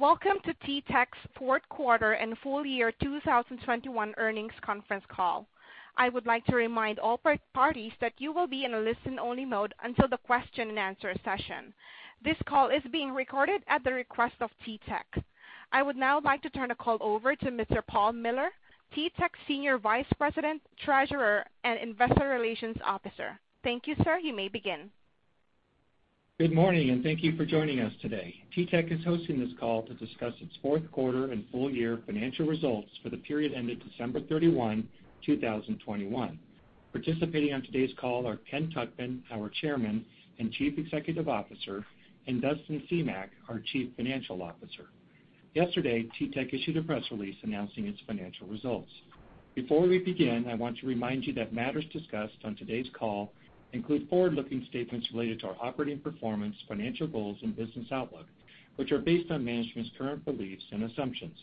Welcome to TTEC's fourth quarter and full year 2021 earnings conference call. I would like to remind all parties that you will be in a listen-only mode until the question and answer session. This call is being recorded at the request of TTEC. I would now like to turn the call over to Mr. Paul Miller, TTEC Senior Vice President, Treasurer, and Investor Relations Officer. Thank you, sir. You may begin. Good morning, and thank you for joining us today. TTEC is hosting this call to discuss its fourth quarter and full year financial results for the period ended December 31, 2021. Participating on today's call are Kenneth Tuchman, our Chairman and Chief Executive Officer, and Dustin Semach, our Chief Financial Officer. Yesterday, TTEC issued a press release announcing its financial results. Before we begin, I want to remind you that matters discussed on today's call include forward-looking statements related to our operating performance, financial goals, and business outlook, which are based on management's current beliefs and assumptions.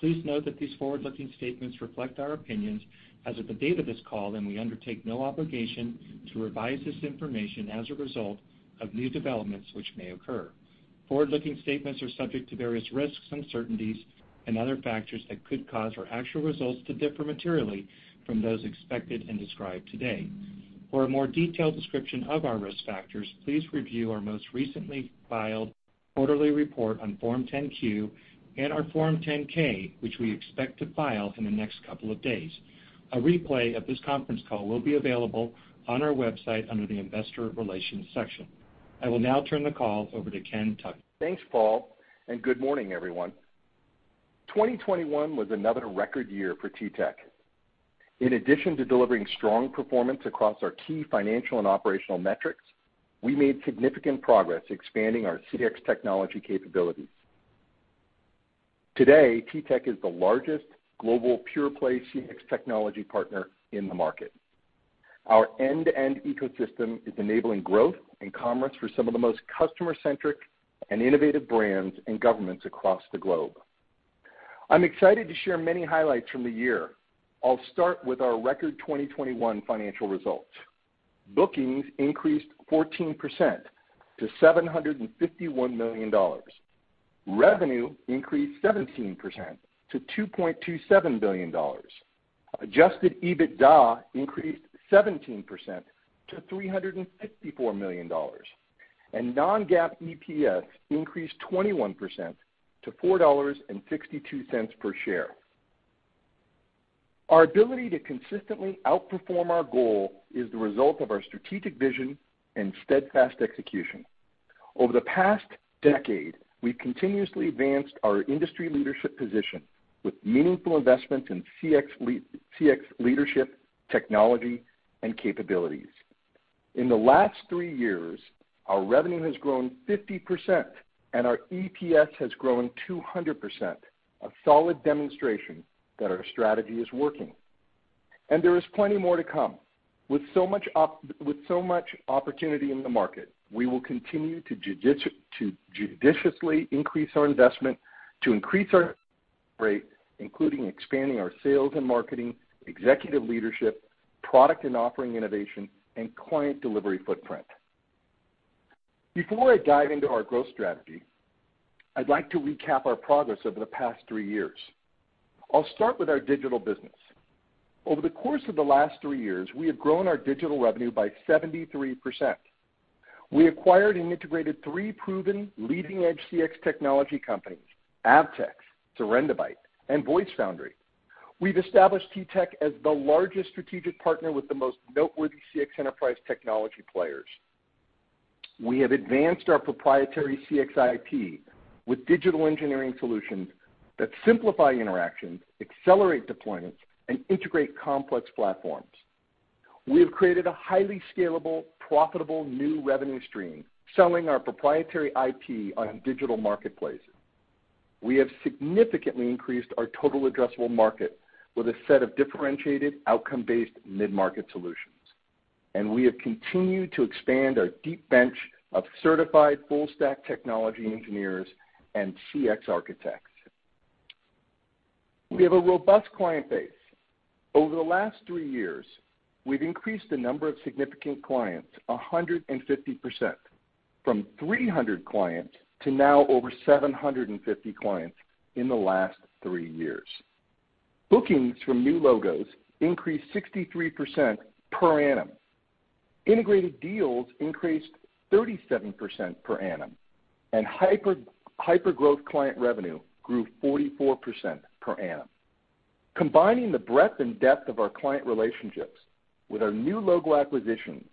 Please note that these forward-looking statements reflect our opinions as of the date of this call, and we undertake no obligation to revise this information as a result of new developments which may occur. Forward-looking statements are subject to various risks, uncertainties, and other factors that could cause our actual results to differ materially from those expected and described today. For a more detailed description of our risk factors, please review our most recently filed quarterly report on Form 10-Q and our Form 10-K, which we expect to file in the next couple of days. A replay of this conference call will be available on our website under the Investor Relations section. I will now turn the call over to Kenneth Tuchman. Thanks, Paul, and good morning, everyone. 2021 was another record year for TTEC. In addition to delivering strong performance across our key financial and operational metrics, we made significant progress expanding our CX technology capabilities. Today, TTEC is the largest global pure-play CX technology partner in the market. Our end-to-end ecosystem is enabling growth and commerce for some of the most customer-centric and innovative brands and governments across the globe. I'm excited to share many highlights from the year. I'll start with our record 2021 financial results. Bookings increased 14% to $751 million. Revenue increased 17% to $2.27 billion. Adjusted EBITDA increased 17% to $354 million. non-GAAP EPS increased 21% to $4.62 per share. Our ability to consistently outperform our goal is the result of our strategic vision and steadfast execution. Over the past decade, we've continuously advanced our industry leadership position with meaningful investments in CX leadership, technology, and capabilities. In the last three years, our revenue has grown 50% and our EPS has grown 200%. A solid demonstration that our strategy is working. There is plenty more to come. With so much opportunity in the market, we will continue to judiciously increase our investment, to increase our rate, including expanding our sales and marketing, executive leadership, product and offering innovation, and client delivery footprint. Before I dive into our growth strategy, I'd like to recap our progress over the past three years. I'll start with our digital business. Over the course of the last three years, we have grown our digital revenue by 73%. We acquired and integrated three proven leading-edge CX technology companies, Avtex, Serendebyte, and VoiceFoundry. We've established TTEC as the largest strategic partner with the most noteworthy CX enterprise technology players. We have advanced our proprietary CX IP with digital engineering solutions that simplify interactions, accelerate deployments, and integrate complex platforms. We have created a highly scalable, profitable new revenue stream, selling our proprietary IP on digital marketplaces. We have significantly increased our total addressable market with a set of differentiated outcome-based mid-market solutions. We have continued to expand our deep bench of certified full stack technology engineers and CX architects. We have a robust client base. Over the last three years, we've increased the number of significant clients 150%, from 300 clients to now over 750 clients in the last three years. Bookings from new logos increased 63% per annum. Integrated deals increased 37% per annum, and hyper growth client revenue grew 44% per annum. Combining the breadth and depth of our client relationships with our new logo acquisitions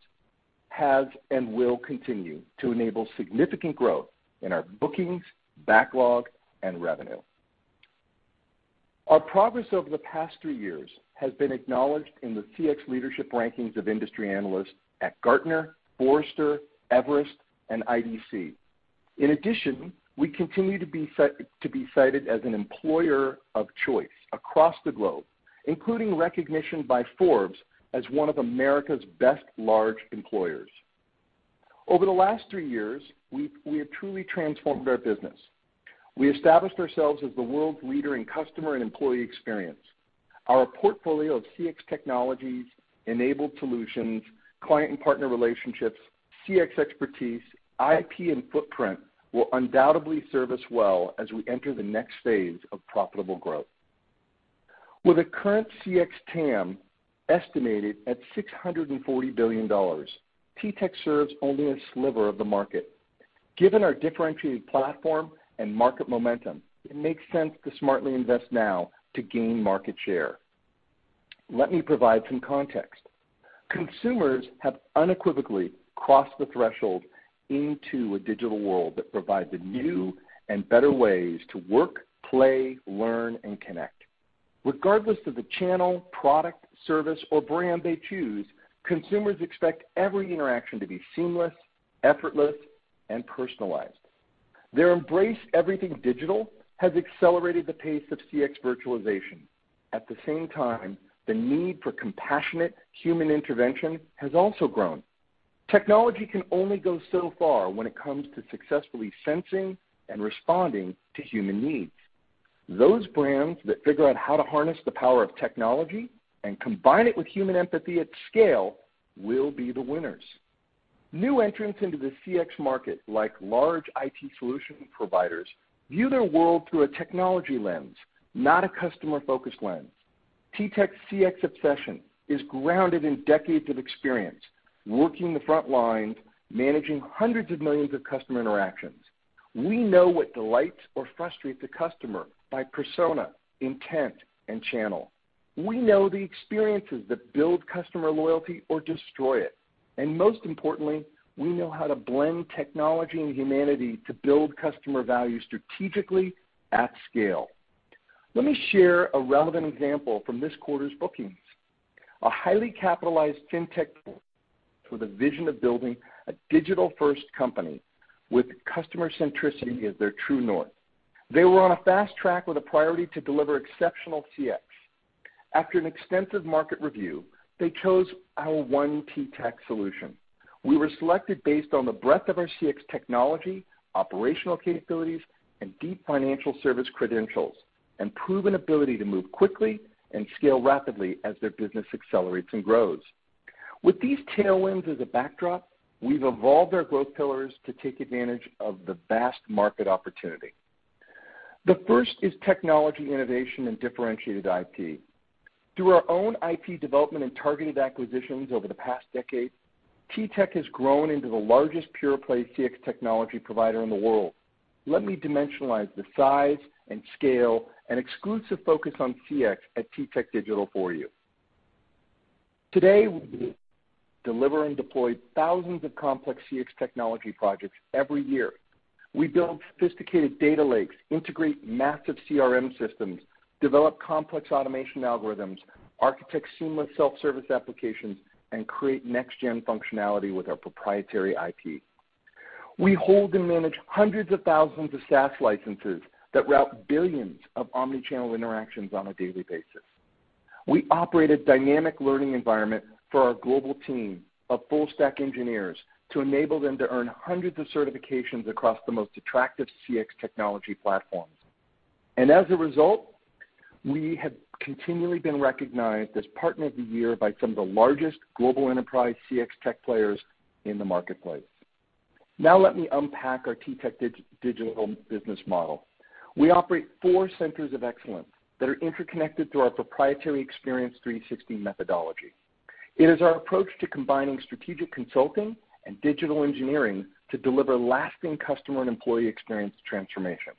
has and will continue to enable significant growth in our bookings, backlog, and revenue. Our progress over the past three years has been acknowledged in the CX leadership rankings of industry analysts at Gartner, Forrester, Everest, and IDC. In addition, we continue to be cited as an employer of choice across the globe, including recognition by Forbes as one of America's best large employers. Over the last three years, we have truly transformed our business. We established ourselves as the world's leader in customer and employee experience. Our portfolio of CX technologies, enabled solutions, client and partner relationships, CX expertise, IP and footprint will undoubtedly serve us well as we enter the next phase of profitable growth. With a current CX TAM estimated at $640 billion, TTEC serves only a sliver of the market. Given our differentiated platform and market momentum, it makes sense to smartly invest now to gain market share. Let me provide some context. Consumers have unequivocally crossed the threshold into a digital world that provides new and better ways to work, play, learn, and connect. Regardless of the channel, product, service, or brand they choose, consumers expect every interaction to be seamless, effortless, and personalized. Their embrace everything digital has accelerated the pace of CX virtualization. At the same time, the need for compassionate human intervention has also grown. Technology can only go so far when it comes to successfully sensing and responding to human needs. Those brands that figure out how to harness the power of technology and combine it with human empathy at scale will be the winners. New entrants into the CX market, like large IT solution providers, view their world through a technology lens, not a customer-focused lens. TTEC's CX obsession is grounded in decades of experience, working the front lines, managing hundreds of millions of customer interactions. We know what delights or frustrates the customer by persona, intent, and channel. We know the experiences that build customer loyalty or destroy it, and most importantly, we know how to blend technology and humanity to build customer value strategically at scale. Let me share a relevant example from this quarter's bookings. A highly capitalized fintech with a vision of building a digital-first company with customer centricity as their true north. They were on a fast track with a priority to deliver exceptional CX. After an extensive market review, they chose our One TTEC solution. We were selected based on the breadth of our CX technology, operational capabilities, and deep financial service credentials, and proven ability to move quickly and scale rapidly as their business accelerates and grows. With these tailwinds as a backdrop, we've evolved our growth pillars to take advantage of the vast market opportunity. The first is technology innovation and differentiated IP. Through our own IP development and targeted acquisitions over the past decade, TTEC has grown into the largest pure-play CX technology provider in the world. Let me dimensionalize the size and scale and exclusive focus on CX at TTEC Digital for you. Today, we deliver and deploy thousands of complex CX technology projects every year. We build sophisticated data lakes, integrate massive CRM systems, develop complex automation algorithms, architect seamless self-service applications, and create next-gen functionality with our proprietary IP. We hold and manage hundreds of thousands of SaaS licenses that route billions of omni-channel interactions on a daily basis. We operate a dynamic learning environment for our global team of full stack engineers to enable them to earn hundreds of certifications across the most attractive CX technology platforms. As a result, we have continually been recognized as partner of the year by some of the largest global enterprise CX tech players in the marketplace. Now let me unpack our TTEC Digital business model. We operate four centers of excellence that are interconnected through our proprietary Experience 360 methodology. It is our approach to combining strategic consulting and digital engineering to deliver lasting customer and employee experience transformation.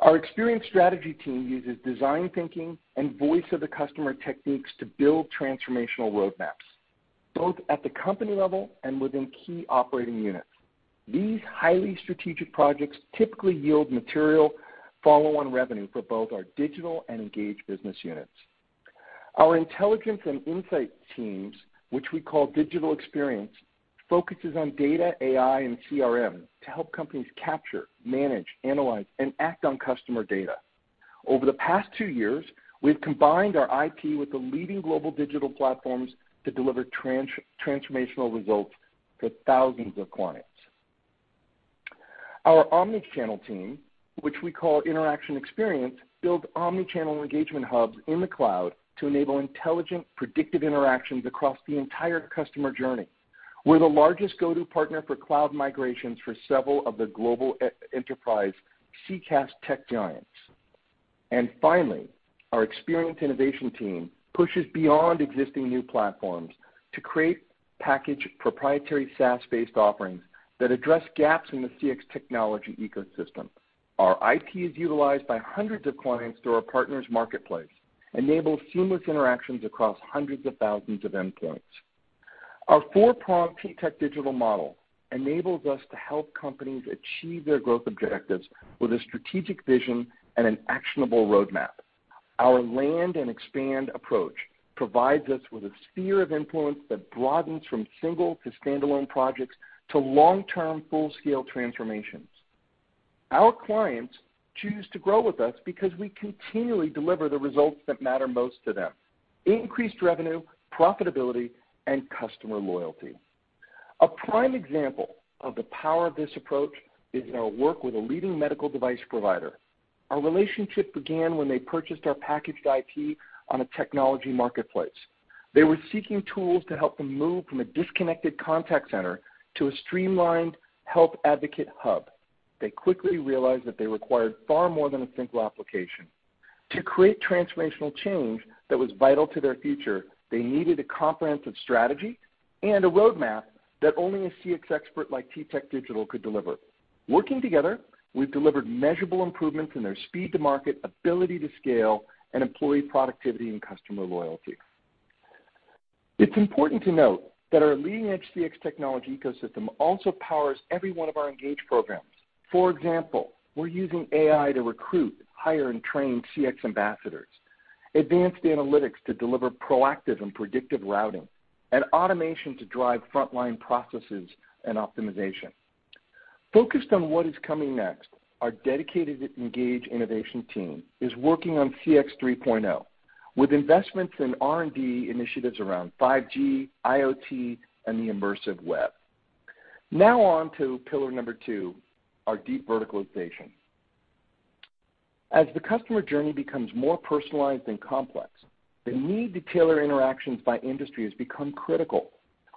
Our experience strategy team uses design thinking and voice of the customer techniques to build transformational roadmaps, both at the company level and within key operating units. These highly strategic projects typically yield material follow-on revenue for both our digital and engaged business units. Our intelligence and insight teams, which we call Digital Experience, focuses on data, AI, and CRM to help companies capture, manage, analyze, and act on customer data. Over the past two years, we've combined our IP with the leading global digital platforms to deliver transformational results to thousands of clients. Our omnichannel team, which we call Interaction Experience, builds omnichannel engagement hubs in the cloud to enable intelligent, predictive interactions across the entire customer journey. We're the largest go-to partner for cloud migrations for several of the global enterprise CCaaS tech giants. Finally, our Experience Innovation team pushes beyond existing new platforms to create packaged, proprietary SaaS-based offerings that address gaps in the CX technology ecosystem. Our IP is utilized by hundreds of clients through our partners' marketplace, enabling seamless interactions across hundreds of thousands of endpoints. Our four-pronged TTEC Digital model enables us to help companies achieve their growth objectives with a strategic vision and an actionable roadmap. Our land and expand approach provides us with a sphere of influence that broadens from single to standalone projects to long-term, full-scale transformations. Our clients choose to grow with us because we continually deliver the results that matter most to them, increased revenue, profitability, and customer loyalty. A prime example of the power of this approach is in our work with a leading medical device provider. Our relationship began when they purchased our packaged IT on a technology marketplace. They were seeking tools to help them move from a disconnected contact center to a streamlined health advocate hub. They quickly realized that they required far more than a single application. To create transformational change that was vital to their future, they needed a comprehensive strategy and a roadmap that only a CX expert like TTEC Digital could deliver. Working together, we've delivered measurable improvements in their speed to market, ability to scale, and employee productivity and customer loyalty. It's important to note that our leading edge CX technology ecosystem also powers every one of our engage programs. For example, we're using AI to recruit, hire, and train CX ambassadors, advanced analytics to deliver proactive and predictive routing, and automation to drive frontline processes and optimization. Focused on what is coming next, our dedicated Engage innovation team is working on CX 3.0, with investments in R&D initiatives around 5G, IoT, and the immersive web. Now on to pillar number two, our deep verticalization. As the customer journey becomes more personalized and complex, the need to tailor interactions by industry has become critical.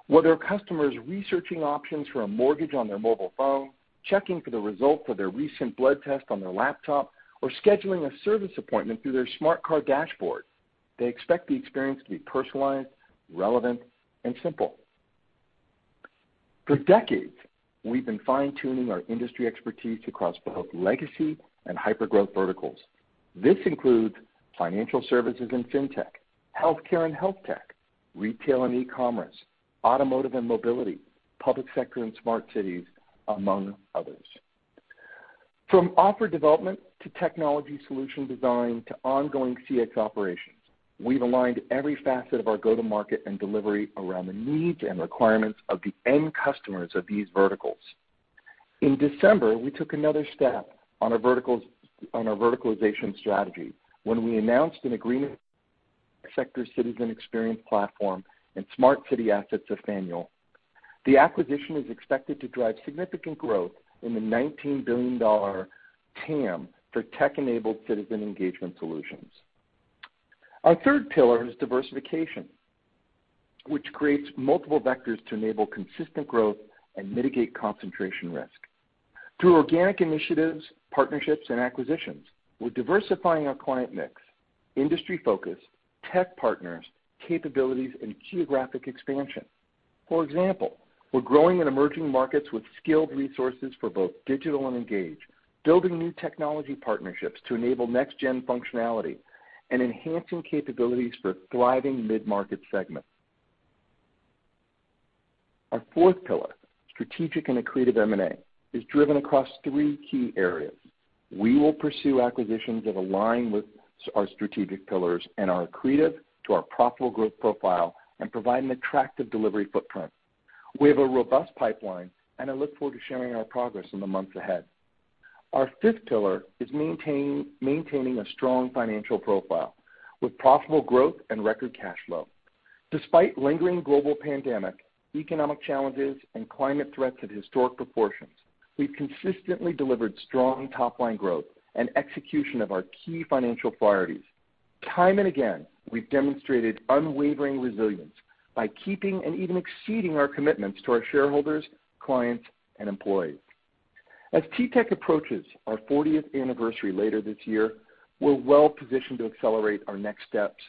Whether a customer is researching options for a mortgage on their mobile phone, checking for the result of their recent blood test on their laptop, or scheduling a service appointment through their smart car dashboard, they expect the experience to be personalized, relevant, and simple. For decades, we've been fine-tuning our industry expertise across both legacy and hyper-growth verticals. This includes financial services and fintech, healthcare and health tech, retail and e-commerce, automotive and mobility, public sector and smart cities, among others. From offer development to technology solution design to ongoing CX operations, we've aligned every facet of our go-to-market and delivery around the needs and requirements of the end customers of these verticals. In December, we took another step on our verticalization strategy when we announced an agreement to acquire citizen experience platform and smart city assets of Faneuil. The acquisition is expected to drive significant growth in the $19 billion TAM for tech-enabled citizen engagement solutions. Our third pillar is diversification, which creates multiple vectors to enable consistent growth and mitigate concentration risk. Through organic initiatives, partnerships, and acquisitions, we're diversifying our client mix, industry focus, tech partners, capabilities, and geographic expansion. For example, we're growing in emerging markets with skilled resources for both digital and engage, building new technology partnerships to enable next gen functionality, and enhancing capabilities for thriving mid-market segments. Our fourth pillar, strategic and accretive M&A, is driven across three key areas. We will pursue acquisitions that align with our strategic pillars and are accretive to our profitable growth profile and provide an attractive delivery footprint. We have a robust pipeline, and I look forward to sharing our progress in the months ahead. Our fifth pillar is maintaining a strong financial profile with profitable growth and record cash flow. Despite lingering global pandemic, economic challenges, and climate threats of historic proportions, we've consistently delivered strong top-line growth and execution of our key financial priorities. Time and again, we've demonstrated unwavering resilience by keeping and even exceeding our commitments to our shareholders, clients, and employees. As TTEC approaches our fortieth anniversary later this year, we're well-positioned to accelerate our next steps,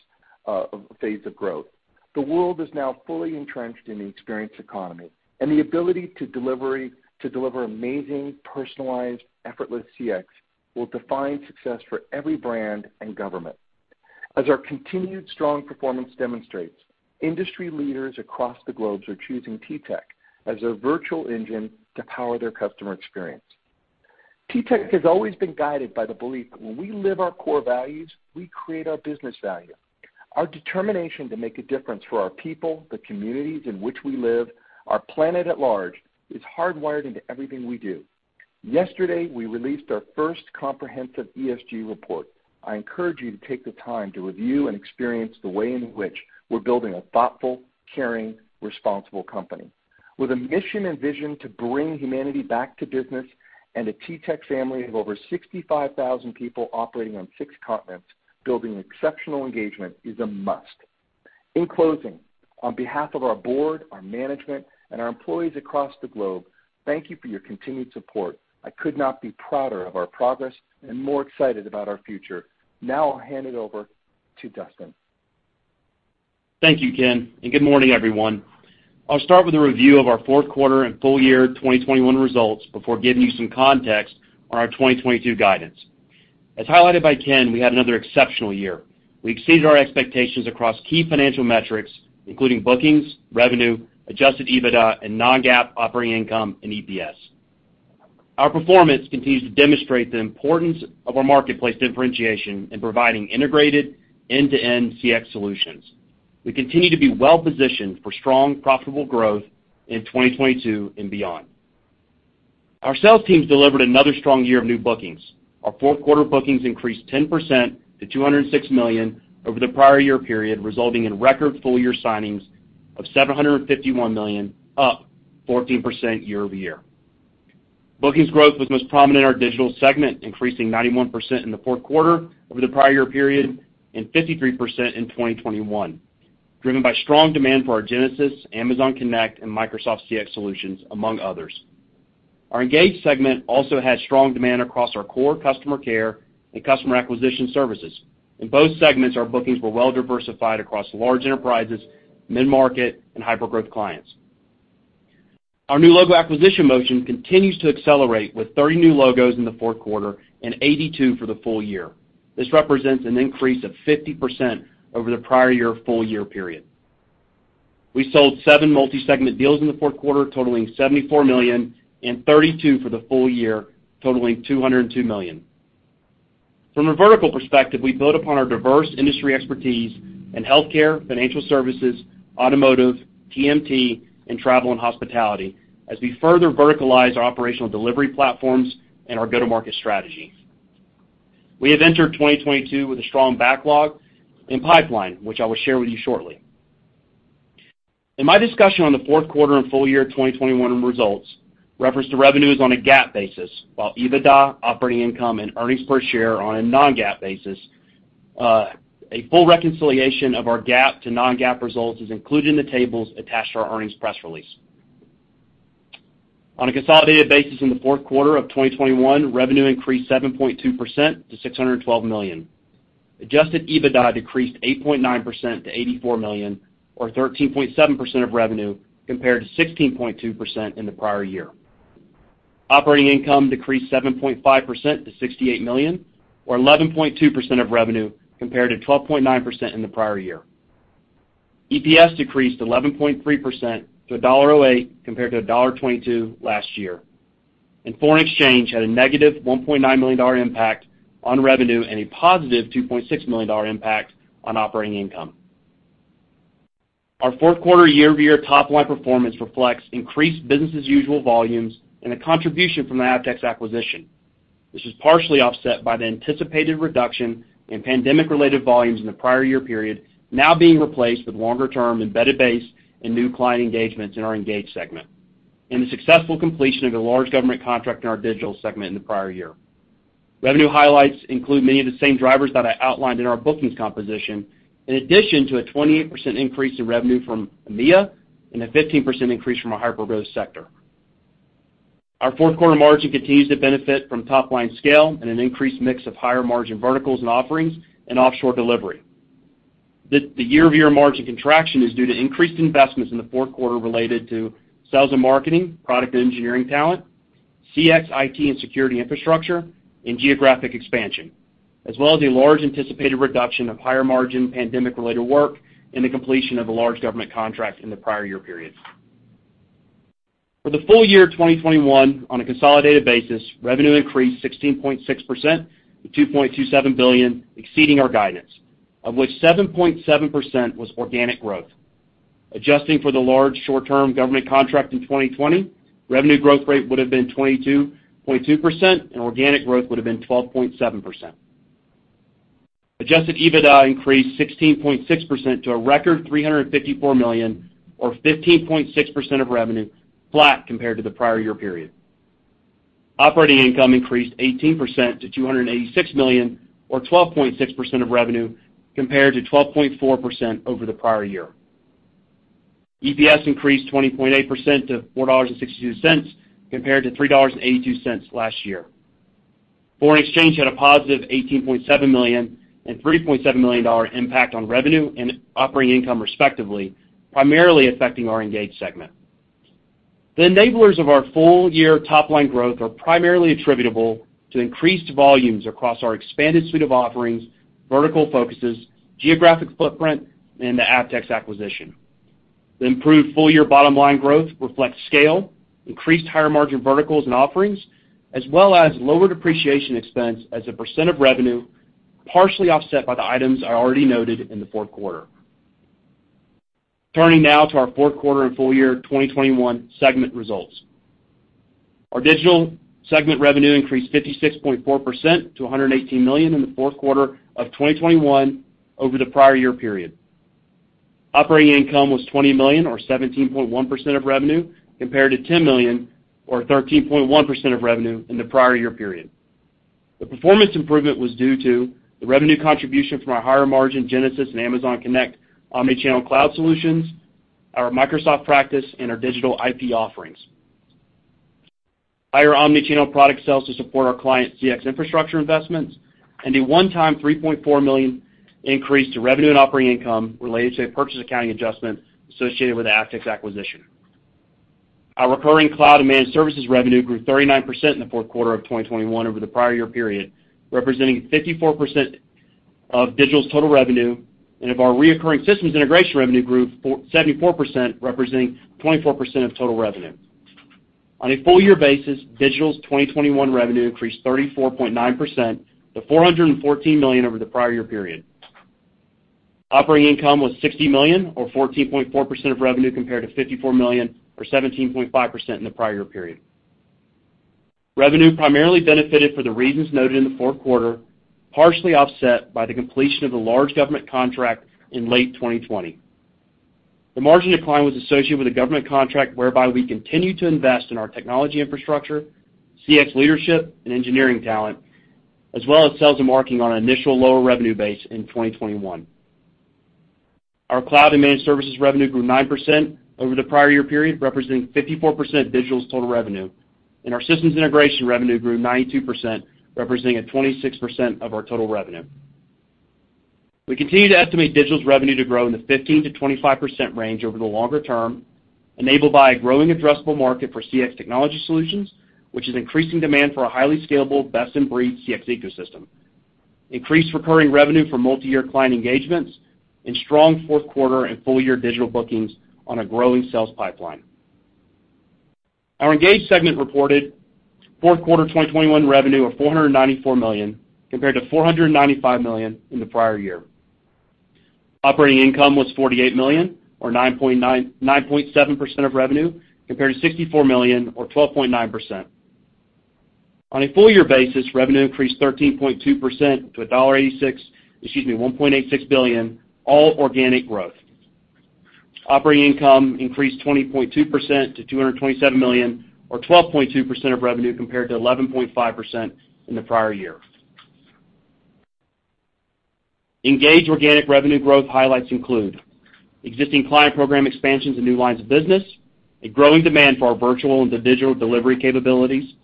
phase of growth. The world is now fully entrenched in the experience economy, and the ability to deliver amazing, personalized, effortless CX will define success for every brand and government. As our continued strong performance demonstrates, industry leaders across the globe are choosing TTEC as their virtual engine to power their customer experience. TTEC has always been guided by the belief that when we live our core values, we create our business value. Our determination to make a difference for our people, the communities in which we live, our planet at large, is hardwired into everything we do. Yesterday, we released our first comprehensive ESG report. I encourage you to take the time to review and experience the way in which we're building a thoughtful, caring, responsible company. With a mission and vision to bring humanity back to business and a TTEC family of over 65,000 people operating on six continents, building exceptional engagement is a must. In closing, on behalf of our board, our management, and our employees across the globe, thank you for your continued support. I could not be prouder of our progress and more excited about our future. Now I'll hand it over to Dustin. Thank you, Ken, and good morning, everyone. I'll start with a review of our fourth quarter and full year 2021 results before giving you some context on our 2022 guidance. As highlighted by Ken, we had another exceptional year. We exceeded our expectations across key financial metrics, including bookings, revenue, adjusted EBITDA, and non-GAAP operating income and EPS. Our performance continues to demonstrate the importance of our marketplace differentiation in providing integrated end-to-end CX solutions. We continue to be well-positioned for strong, profitable growth in 2022 and beyond. Our sales teams delivered another strong year of new bookings. Our fourth quarter bookings increased 10% to $206 million over the prior year period, resulting in record full year signings of $751 million, up 14% year-over-year. Bookings growth was most prominent in our digital segment, increasing 91% in the fourth quarter over the prior year period and 53% in 2021, driven by strong demand for our Genesys, Amazon Connect, and Microsoft CX solutions, among others. Our Engage segment also had strong demand across our core customer care and customer acquisition services. In both segments, our bookings were well diversified across large enterprises, mid-market, and hyper-growth clients. Our new logo acquisition motion continues to accelerate with 30 new logos in the fourth quarter and 82 for the full year. This represents an increase of 50% over the prior year full year period. We sold seven multi-segment deals in the fourth quarter, totaling $74 million, and 32 for the full year, totaling $202 million. From a vertical perspective, we build upon our diverse industry expertise in healthcare, financial services, automotive, TMT, and travel and hospitality as we further verticalize our operational delivery platforms and our go-to-market strategy. We have entered 2022 with a strong backlog and pipeline, which I will share with you shortly. In my discussion on the fourth quarter and full year 2021 results, reference to revenue is on a GAAP basis, while EBITDA, operating income, and earnings per share are on a non-GAAP basis. A full reconciliation of our GAAP to non-GAAP results is included in the tables attached to our earnings press release. On a consolidated basis in the fourth quarter of 2021, revenue increased 7.2% to $612 million. Adjusted EBITDA decreased 8.9% to $84 million or 13.7% of revenue compared to 16.2% in the prior year. Operating income decreased 7.5% to $68 million or 11.2% of revenue compared to 12.9% in the prior year. EPS decreased 11.3% to $1.08 compared to $1.22 last year. Foreign exchange had a -$1.9 million impact on revenue and a +$2.6 million impact on operating income. Our fourth quarter year-over-year top line performance reflects increased business as usual volumes and a contribution from the Avtex acquisition. This is partially offset by the anticipated reduction in pandemic-related volumes in the prior year period now being replaced with longer-term embedded base and new client engagements in our Engage segment and the successful completion of a large government contract in our Digital segment in the prior year. Revenue highlights include many of the same drivers that I outlined in our bookings composition, in addition to a 28% increase in revenue from EMEA and a 15% increase from a hyper-growth sector. Our fourth quarter margin continues to benefit from top-line scale and an increased mix of higher-margin verticals and offerings and offshore delivery. The year-over-year margin contraction is due to increased investments in the fourth quarter related to sales and marketing, product and engineering talent, CX, IT, and security infrastructure, and geographic expansion, as well as the large anticipated reduction of higher-margin pandemic-related work and the completion of a large government contract in the prior year periods. For the full year 2021, on a consolidated basis, revenue increased 16.6% to $2.27 billion, exceeding our guidance, of which 7.7% was organic growth. Adjusting for the large short-term government contract in 2020, revenue growth rate would have been 22.2%, and organic growth would have been 12.7%. Adjusted EBITDA increased 16.6% to a record $354 million or 15.6% of revenue, flat compared to the prior year period. Operating income increased 18% to $286 million or 12.6% of revenue compared to 12.4% over the prior year. EPS increased 20.8% to $4.62 compared to $3.82 last year. Foreign exchange had a +$18.7 million and $3.7 million impact on revenue and operating income respectively, primarily affecting our Engage segment. The enablers of our full-year top-line growth are primarily attributable to increased volumes across our expanded suite of offerings, vertical focuses, geographic footprint, and the Avtex acquisition. The improved full-year bottom line growth reflects scale, increased higher margin verticals and offerings, as well as lower depreciation expense as a percent of revenue, partially offset by the items I already noted in the fourth quarter. Turning now to our fourth quarter and full year 2021 segment results. Our Digital segment revenue increased 56.4% to $118 million in the fourth quarter of 2021 over the prior year period. Operating income was $20 million or 17.1% of revenue compared to $10 million or 13.1% of revenue in the prior year period. The performance improvement was due to the revenue contribution from our higher margin Genesys and Amazon Connect omni-channel cloud solutions, our Microsoft practice and our digital IP offerings, higher omni-channel product sales to support our client CX infrastructure investments, and a one-time $3.4 million increase to revenue and operating income related to a purchase accounting adjustment associated with the Avtex acquisition. Our recurring cloud and managed services revenue grew 39% in the fourth quarter of 2021 over the prior year period, representing 54% of Digital's total revenue, and our recurring systems integration revenue grew 74%, representing 24% of total revenue. On a full-year basis, Digital's 2021 revenue increased 34.9% to $414 million over the prior year period. Operating income was $60 million or 14.4% of revenue compared to $54 million or 17.5% in the prior period. Revenue primarily benefited from the reasons noted in the fourth quarter, partially offset by the completion of a large government contract in late 2020. The margin decline was associated with a government contract whereby we continued to invest in our technology infrastructure, CX leadership, and engineering talent, as well as sales and marketing on an initial lower revenue base in 2021. Our cloud and managed services revenue grew 9% over the prior year period, representing 54% of Digital's total revenue, and our systems integration revenue grew 92%, representing 26% of our total revenue. We continue to estimate Digital's revenue to grow in the 15%-25% range over the longer term, enabled by a growing addressable market for CX technology solutions, which is increasing demand for a highly scalable, best-in-breed CX ecosystem, increased recurring revenue for multiyear client engagements, and strong fourth quarter and full year Digital bookings on a growing sales pipeline. Our Engage segment reported Q4 2021 revenue of $494 million, compared to $495 million in the prior year. Operating income was $48 million or 9.7% of revenue, compared to $64 million or 12.9%. On a full year basis, revenue increased 13.2% to $1.86 billion, all organic growth. Operating income increased 20.2% to $227 million or 12.2% of revenue compared to 11.5% in the prior year. Engage organic revenue growth highlights include existing client program expansions and new lines of business, a growing demand for our virtual and digital delivery capabilities,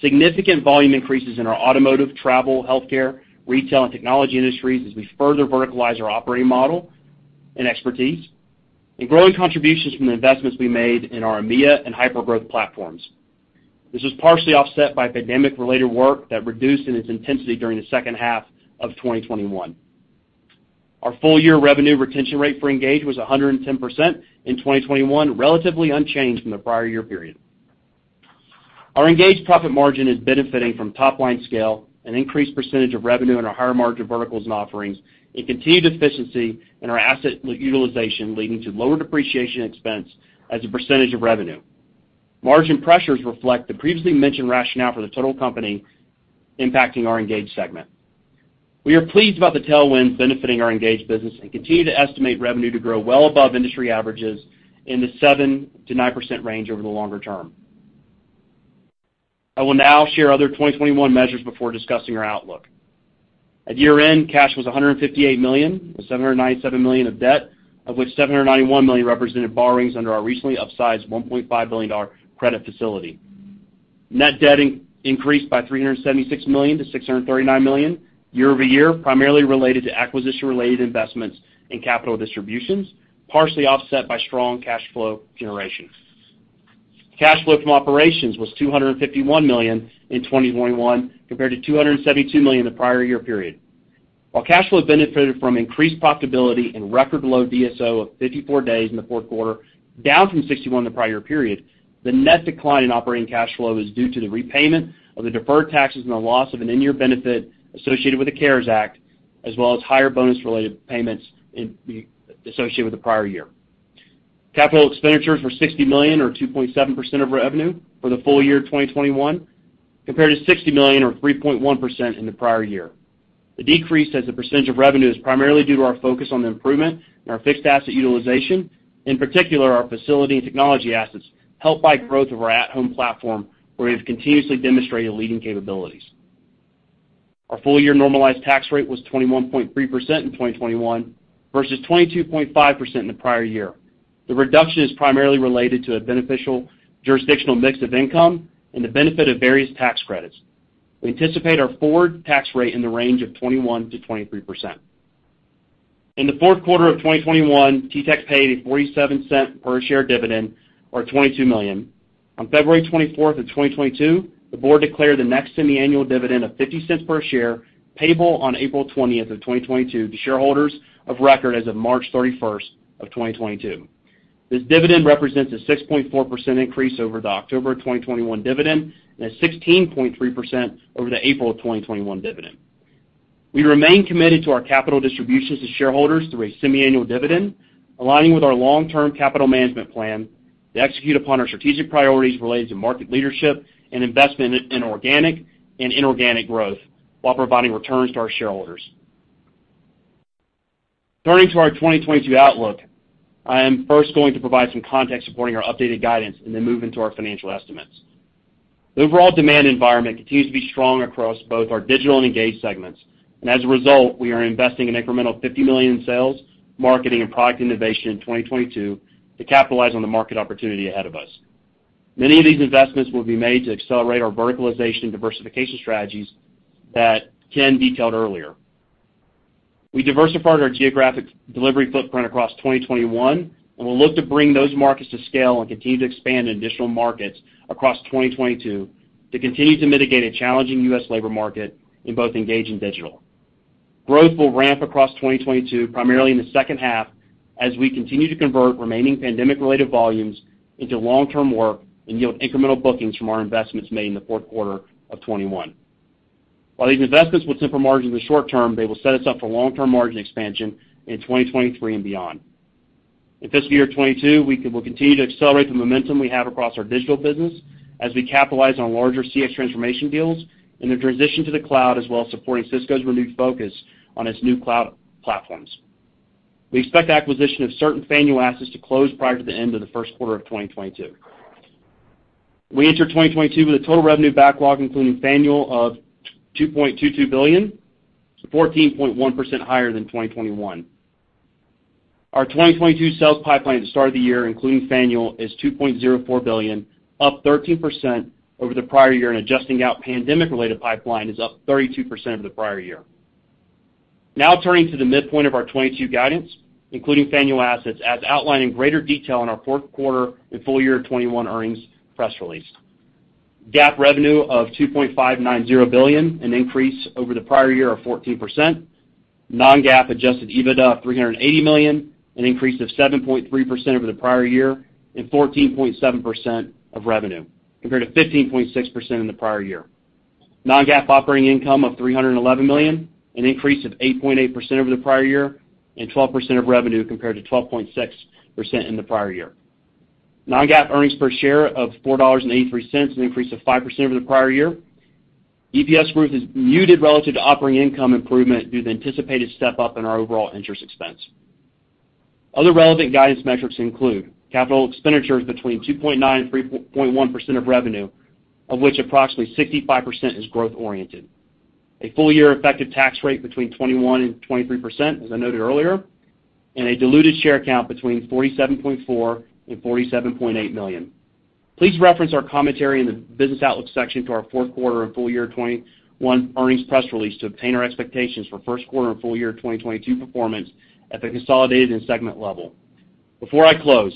significant volume increases in our automotive, travel, healthcare, retail, and technology industries as we further verticalize our operating model and expertise, and growing contributions from the investments we made in our EMEA and hyper-growth platforms. This was partially offset by pandemic-related work that reduced in its intensity during the second half of 2021. Our full year revenue retention rate for Engage was 110% in 2021, relatively unchanged from the prior year period. Our Engage profit margin is benefiting from top-line scale, an increased percentage of revenue in our higher margin verticals and offerings, and continued efficiency in our asset utilization, leading to lower depreciation expense as a percentage of revenue. Margin pressures reflect the previously mentioned rationale for the total company impacting our Engage segment. We are pleased about the tailwinds benefiting our Engage business, and continue to estimate revenue to grow well above industry averages in the 7%-9% range over the longer term. I will now share other 2021 measures before discussing our outlook. At year-end, cash was $158 million, with $797 million of debt, of which $791 million represented borrowings under our recently upsized $1.5 billion credit facility. Net debt increased by $376 million to $639 million year-over-year, primarily related to acquisition-related investments and capital distributions, partially offset by strong cash flow generation. Cash flow from operations was $251 million in 2021 compared to $272 million the prior year period. While cash flow benefited from increased profitability and record low DSO of 54 days in the fourth quarter, down from 61 the prior period, the net decline in operating cash flow is due to the repayment of the deferred taxes and the loss of an in-year benefit associated with the CARES Act, as well as higher bonus-related payments associated with the prior year. Capital expenditures were $60 million or 2.7% of revenue for the full year 2021, compared to $60 million or 3.1% in the prior year. The decrease as a percentage of revenue is primarily due to our focus on the improvement in our fixed asset utilization, in particular our facility and technology assets, helped by growth of our at-home platform where we have continuously demonstrated leading capabilities. Our full year normalized tax rate was 21.3% in 2021 versus 22.5% in the prior year. The reduction is primarily related to a beneficial jurisdictional mix of income and the benefit of various tax credits. We anticipate our forward tax rate in the range of 21%-23%. In the fourth quarter of 2021, TTEC paid a $0.47 per share dividend or $22 million. On February 24, 2022, the board declared the next semiannual dividend of $0.50 per share, payable on April 20, 2022 to shareholders of record as of March 31, 2022. This dividend represents a 6.4% increase over the October 2021 dividend and a 16.3% over the April 2021 dividend. We remain committed to our capital distributions to shareholders through a semiannual dividend, aligning with our long-term capital management plan to execute upon our strategic priorities related to market leadership and investment in organic and inorganic growth while providing returns to our shareholders. Turning to our 2022 outlook, I am first going to provide some context supporting our updated guidance and then move into our financial estimates. The overall demand environment continues to be strong across both our Digital and Engage segments. As a result, we are investing an incremental $50 million in sales, marketing, and product innovation in 2022 to capitalize on the market opportunity ahead of us. Many of these investments will be made to accelerate our verticalization and diversification strategies that Ken detailed earlier. We diversified our geographic delivery footprint across 2021, and we'll look to bring those markets to scale and continue to expand in additional markets across 2022 to continue to mitigate a challenging U.S. labor market in both Engage and Digital. Growth will ramp across 2022, primarily in the second half as we continue to convert remaining pandemic-related volumes into long-term work and yield incremental bookings from our investments made in the fourth quarter of 2021. While these investments will temper margins in the short term, they will set us up for long-term margin expansion in 2023 and beyond. In fiscal year 2022, we'll continue to accelerate the momentum we have across our Digital business as we capitalize on larger CX transformation deals and the transition to the cloud, as well as supporting Cisco's renewed focus on its new cloud platforms. We expect the acquisition of certain Faneuil assets to close prior to the end of the first quarter of 2022. We enter 2022 with a total revenue backlog, including Faneuil, of $2.22 billion, 14.1% higher than 2021. Our 2022 sales pipeline at the start of the year, including Faneuil, is $2.04 billion, up 13% over the prior year, and adjusting out pandemic-related pipeline is up 32% over the prior year. Now turning to the midpoint of our 2022 guidance, including Faneuil assets, as outlined in greater detail in our fourth quarter and full year 2021 earnings press release. GAAP revenue of $2.590 billion, an increase over the prior year of 14%. Non-GAAP adjusted EBITDA of $380 million, an increase of 7.3% over the prior year, and 14.7% of revenue, compared to 15.6% in the prior year. Non-GAAP operating income of $311 million, an increase of 8.8% over the prior year, and 12% of revenue compared to 12.6% in the prior year. Non-GAAP earnings per share of $4.83, an increase of 5% over the prior year. EPS growth is muted relative to operating income improvement due to the anticipated step-up in our overall interest expense. Other relevant guidance metrics include capital expenditures between 2.9% and 3.1% of revenue, of which approximately 65% is growth oriented. A full year effective tax rate between 21% and 23%, as I noted earlier, and a diluted share count between 47.4 and 47.8 million. Please reference our commentary in the Business Outlook section to our fourth quarter and full year 2021 earnings press release to obtain our expectations for first quarter and full year 2022 performance at the consolidated and segment level. Before I close,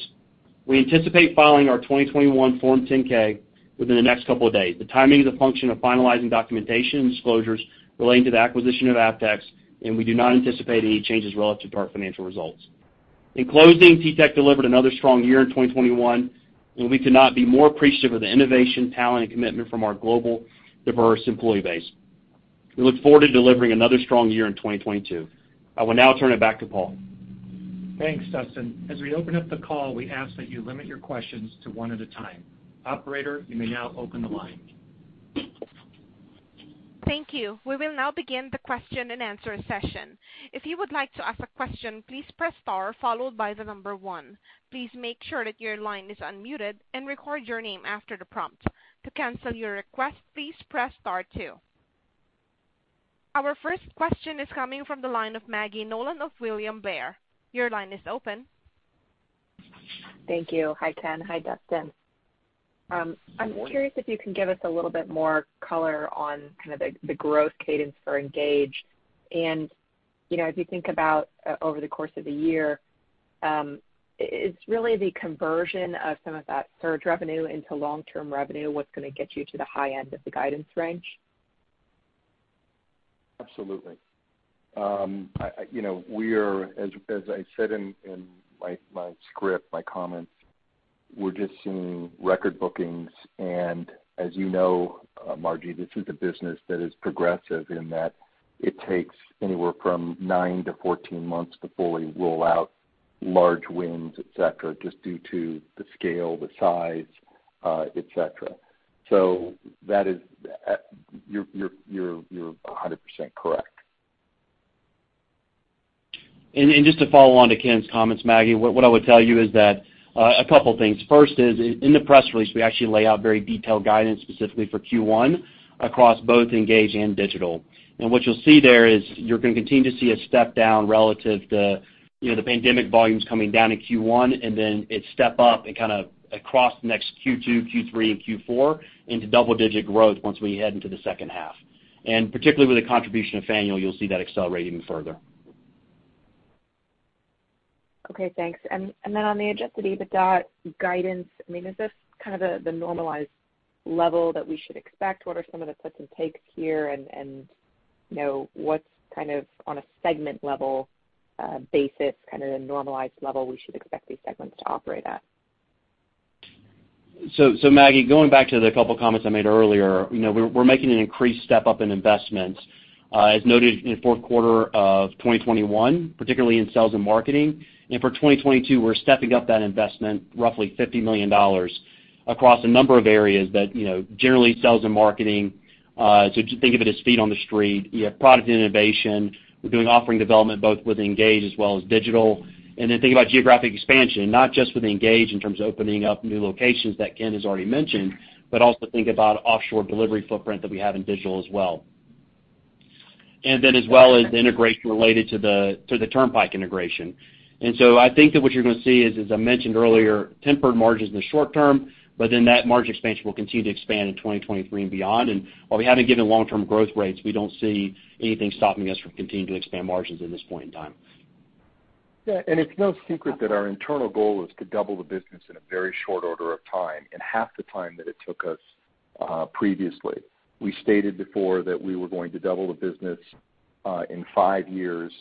we anticipate filing our 2021 Form 10-K within the next couple of days. The timing is a function of finalizing documentation and disclosures relating to the acquisition of Avtex, and we do not anticipate any changes relative to our financial results. In closing, TTEC delivered another strong year in 2021, and we could not be more appreciative of the innovation, talent, and commitment from our global diverse employee base. We look forward to delivering another strong year in 2022. I will now turn it back to Paul. Thanks, Dustin. As we open up the call, we ask that you limit your questions to one at a time. Operator, you may now open the line. Thank you. We will now begin the question-and-answer session. If you would like to ask a question, please press star followed by the number one. Please make sure that your line is unmuted and record your name after the prompt. To cancel your request, please press star two. Our first question is coming from the line of Maggie Nolan of William Blair. Your line is open. Thank you. Hi, Ken. Hi, Dustin. I'm curious if you can give us a little bit more color on kind of the growth cadence for Engage. You know, as you think about over the course of the year, is really the conversion of some of that surge revenue into long-term revenue what's gonna get you to the high end of the guidance range? Absolutely. You know, we are, as I said in my script, my comments, we're just seeing record bookings. As you know, Maggie, this is a business that is progressive in that it takes anywhere from 9-14 months to fully roll out large wins, et cetera, just due to the scale, the size, et cetera. That is, you're 100% correct. Just to follow on to Ken's comments, Maggie, what I would tell you is that a couple things. First is in the press release, we actually lay out very detailed guidance specifically for Q1 across both Engage and Digital. What you'll see there is you're gonna continue to see a step down relative to, you know, the pandemic volumes coming down in Q1, and then it step up and kind of across the next Q2, Q3, and Q4 into double-digit growth once we head into the second half. Particularly with the contribution of Faneuil, you'll see that accelerate even further. Okay, thanks. On the adjusted EBITDA guidance, I mean, is this kind of the normalized level that we should expect? What are some of the puts and takes here? You know, what's kind of on a segment level basis, kind of the normalized level we should expect these segments to operate at? Maggie, going back to the couple comments I made earlier, you know, we're making an increased step up in investments, as noted in fourth quarter of 2021, particularly in sales and marketing. For 2022, we're stepping up that investment roughly $50 million across a number of areas that, you know, generally sales and marketing, so just think of it as feet on the street. You have product innovation. We're doing offering development both with Engage as well as Digital. Think about geographic expansion, not just with Engage in terms of opening up new locations that Ken has already mentioned, but also think about offshore delivery footprint that we have in Digital as well. As well as integration related to the Turnpike integration. I think that what you're gonna see is, as I mentioned earlier, tempered margins in the short term, but then that margin expansion will continue to expand in 2023 and beyond. While we haven't given long-term growth rates, we don't see anything stopping us from continuing to expand margins at this point in time. Yeah, it's no secret that our internal goal is to double the business in a very short order of time, in half the time that it took us previously. We stated before that we were going to double the business in five years,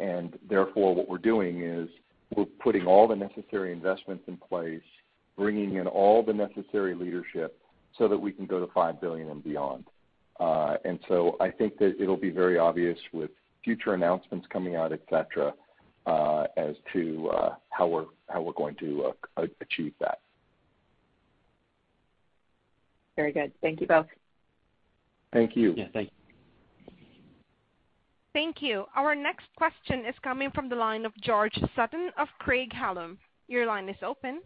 and therefore what we're doing is we're putting all the necessary investments in place, bringing in all the necessary leadership so that we can go to $5 billion and beyond. I think that it'll be very obvious with future announcements coming out, et cetera, as to how we're going to achieve that. Very good. Thank you both. Thank you. Yeah, thank you. Thank you. Our next question is coming from the line of George Sutton of Craig-Hallum. Your line is open.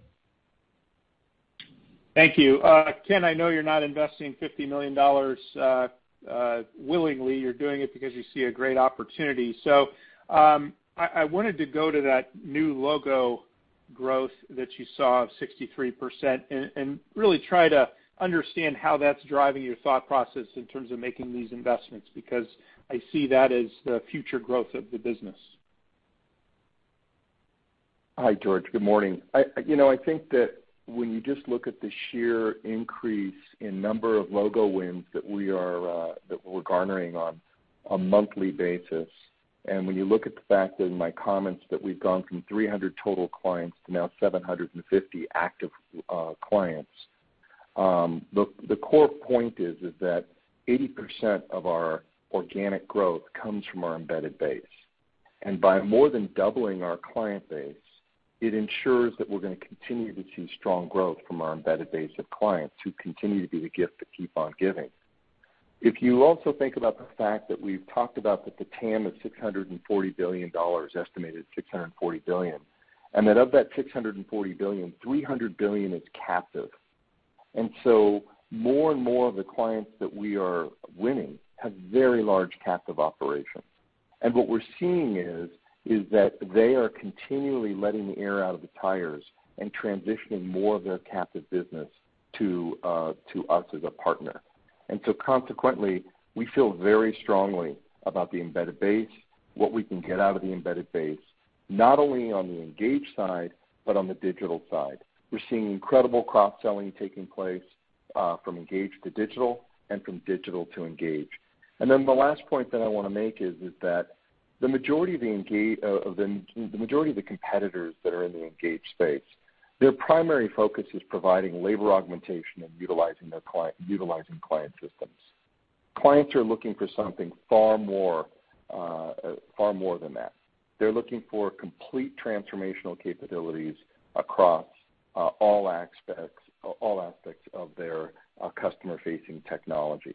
Thank you. Ken, I know you're not investing $50 million willingly. You're doing it because you see a great opportunity. I wanted to go to that new logo growth that you saw of 63% and really try to understand how that's driving your thought process in terms of making these investments, because I see that as the future growth of the business. Hi, George. Good morning. You know, I think that when you just look at the sheer increase in number of logo wins that we're garnering on a monthly basis, and when you look at the fact in my comments that we've gone from 300 total clients to now 750 active clients, the core point is that 80% of our organic growth comes from our embedded base. By more than doubling our client base, it ensures that we're gonna continue to see strong growth from our embedded base of clients, who continue to be the gift that keep on giving. If you also think about the fact that we've talked about that the TAM of $640 billion, estimated $640 billion, and that of that $640 billion, $300 billion is captive. More and more of the clients that we are winning have very large captive operations. What we're seeing is that they are continually letting the air out of the tires and transitioning more of their captive business to us as a partner. Consequently, we feel very strongly about the embedded base, what we can get out of the embedded base, not only on the Engage side, but on the Digital side. We're seeing incredible cross-selling taking place from Engage to Digital and from Digital to Engage. The last point that I wanna make is that the majority of the Engage space, their primary focus is providing labor augmentation and utilizing client systems. Clients are looking for something far more, far more than that. They're looking for complete transformational capabilities across all aspects of their customer-facing technology.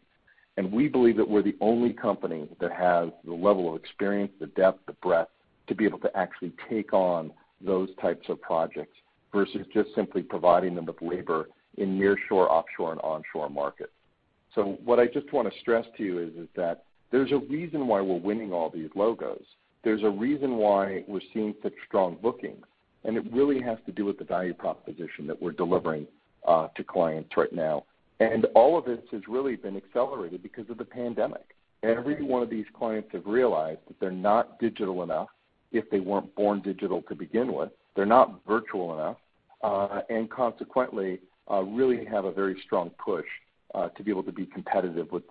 We believe that we're the only company that has the level of experience, the depth, the breadth to be able to actually take on those types of projects versus just simply providing them with labor in nearshore, offshore, and onshore markets. What I just wanna stress to you is that there's a reason why we're winning all these logos. There's a reason why we're seeing such strong bookings, and it really has to do with the value proposition that we're delivering to clients right now. All of this has really been accelerated because of the pandemic. Every one of these clients have realized that they're not digital enough, if they weren't born digital to begin with. They're not virtual enough, and consequently, really have a very strong push to be able to be competitive with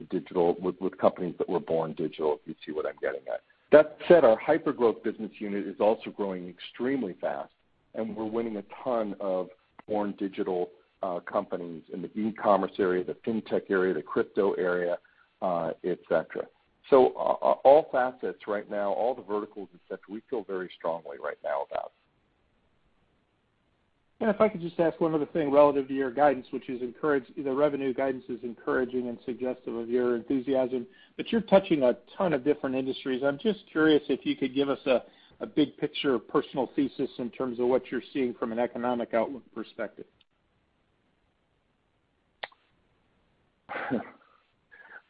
companies that were born digital, if you see what I'm getting at. That said, our hypergrowth business unit is also growing extremely fast, and we're winning a ton of born digital companies in the e-commerce area, the fintech area, the crypto area, et cetera. All facets right now, all the verticals, et cetera, we feel very strongly right now about. If I could just ask one other thing relative to your guidance, the revenue guidance is encouraging and suggestive of your enthusiasm, but you're touching a ton of different industries. I'm just curious if you could give us a big picture personal thesis in terms of what you're seeing from an economic outlook perspective?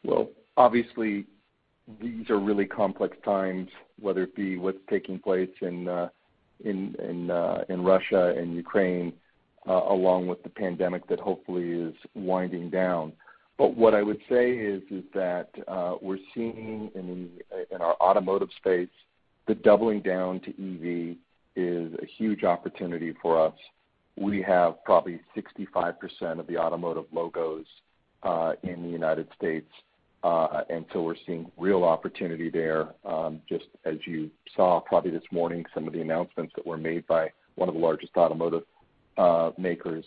Well, obviously these are really complex times, whether it be what's taking place in Russia and Ukraine, along with the pandemic that hopefully is winding down. What I would say is that we're seeing in our automotive space, the doubling down to EV is a huge opportunity for us. We have probably 65% of the automotive logos in the United States, and so we're seeing real opportunity there, just as you saw probably this morning some of the announcements that were made by one of the largest automotive makers.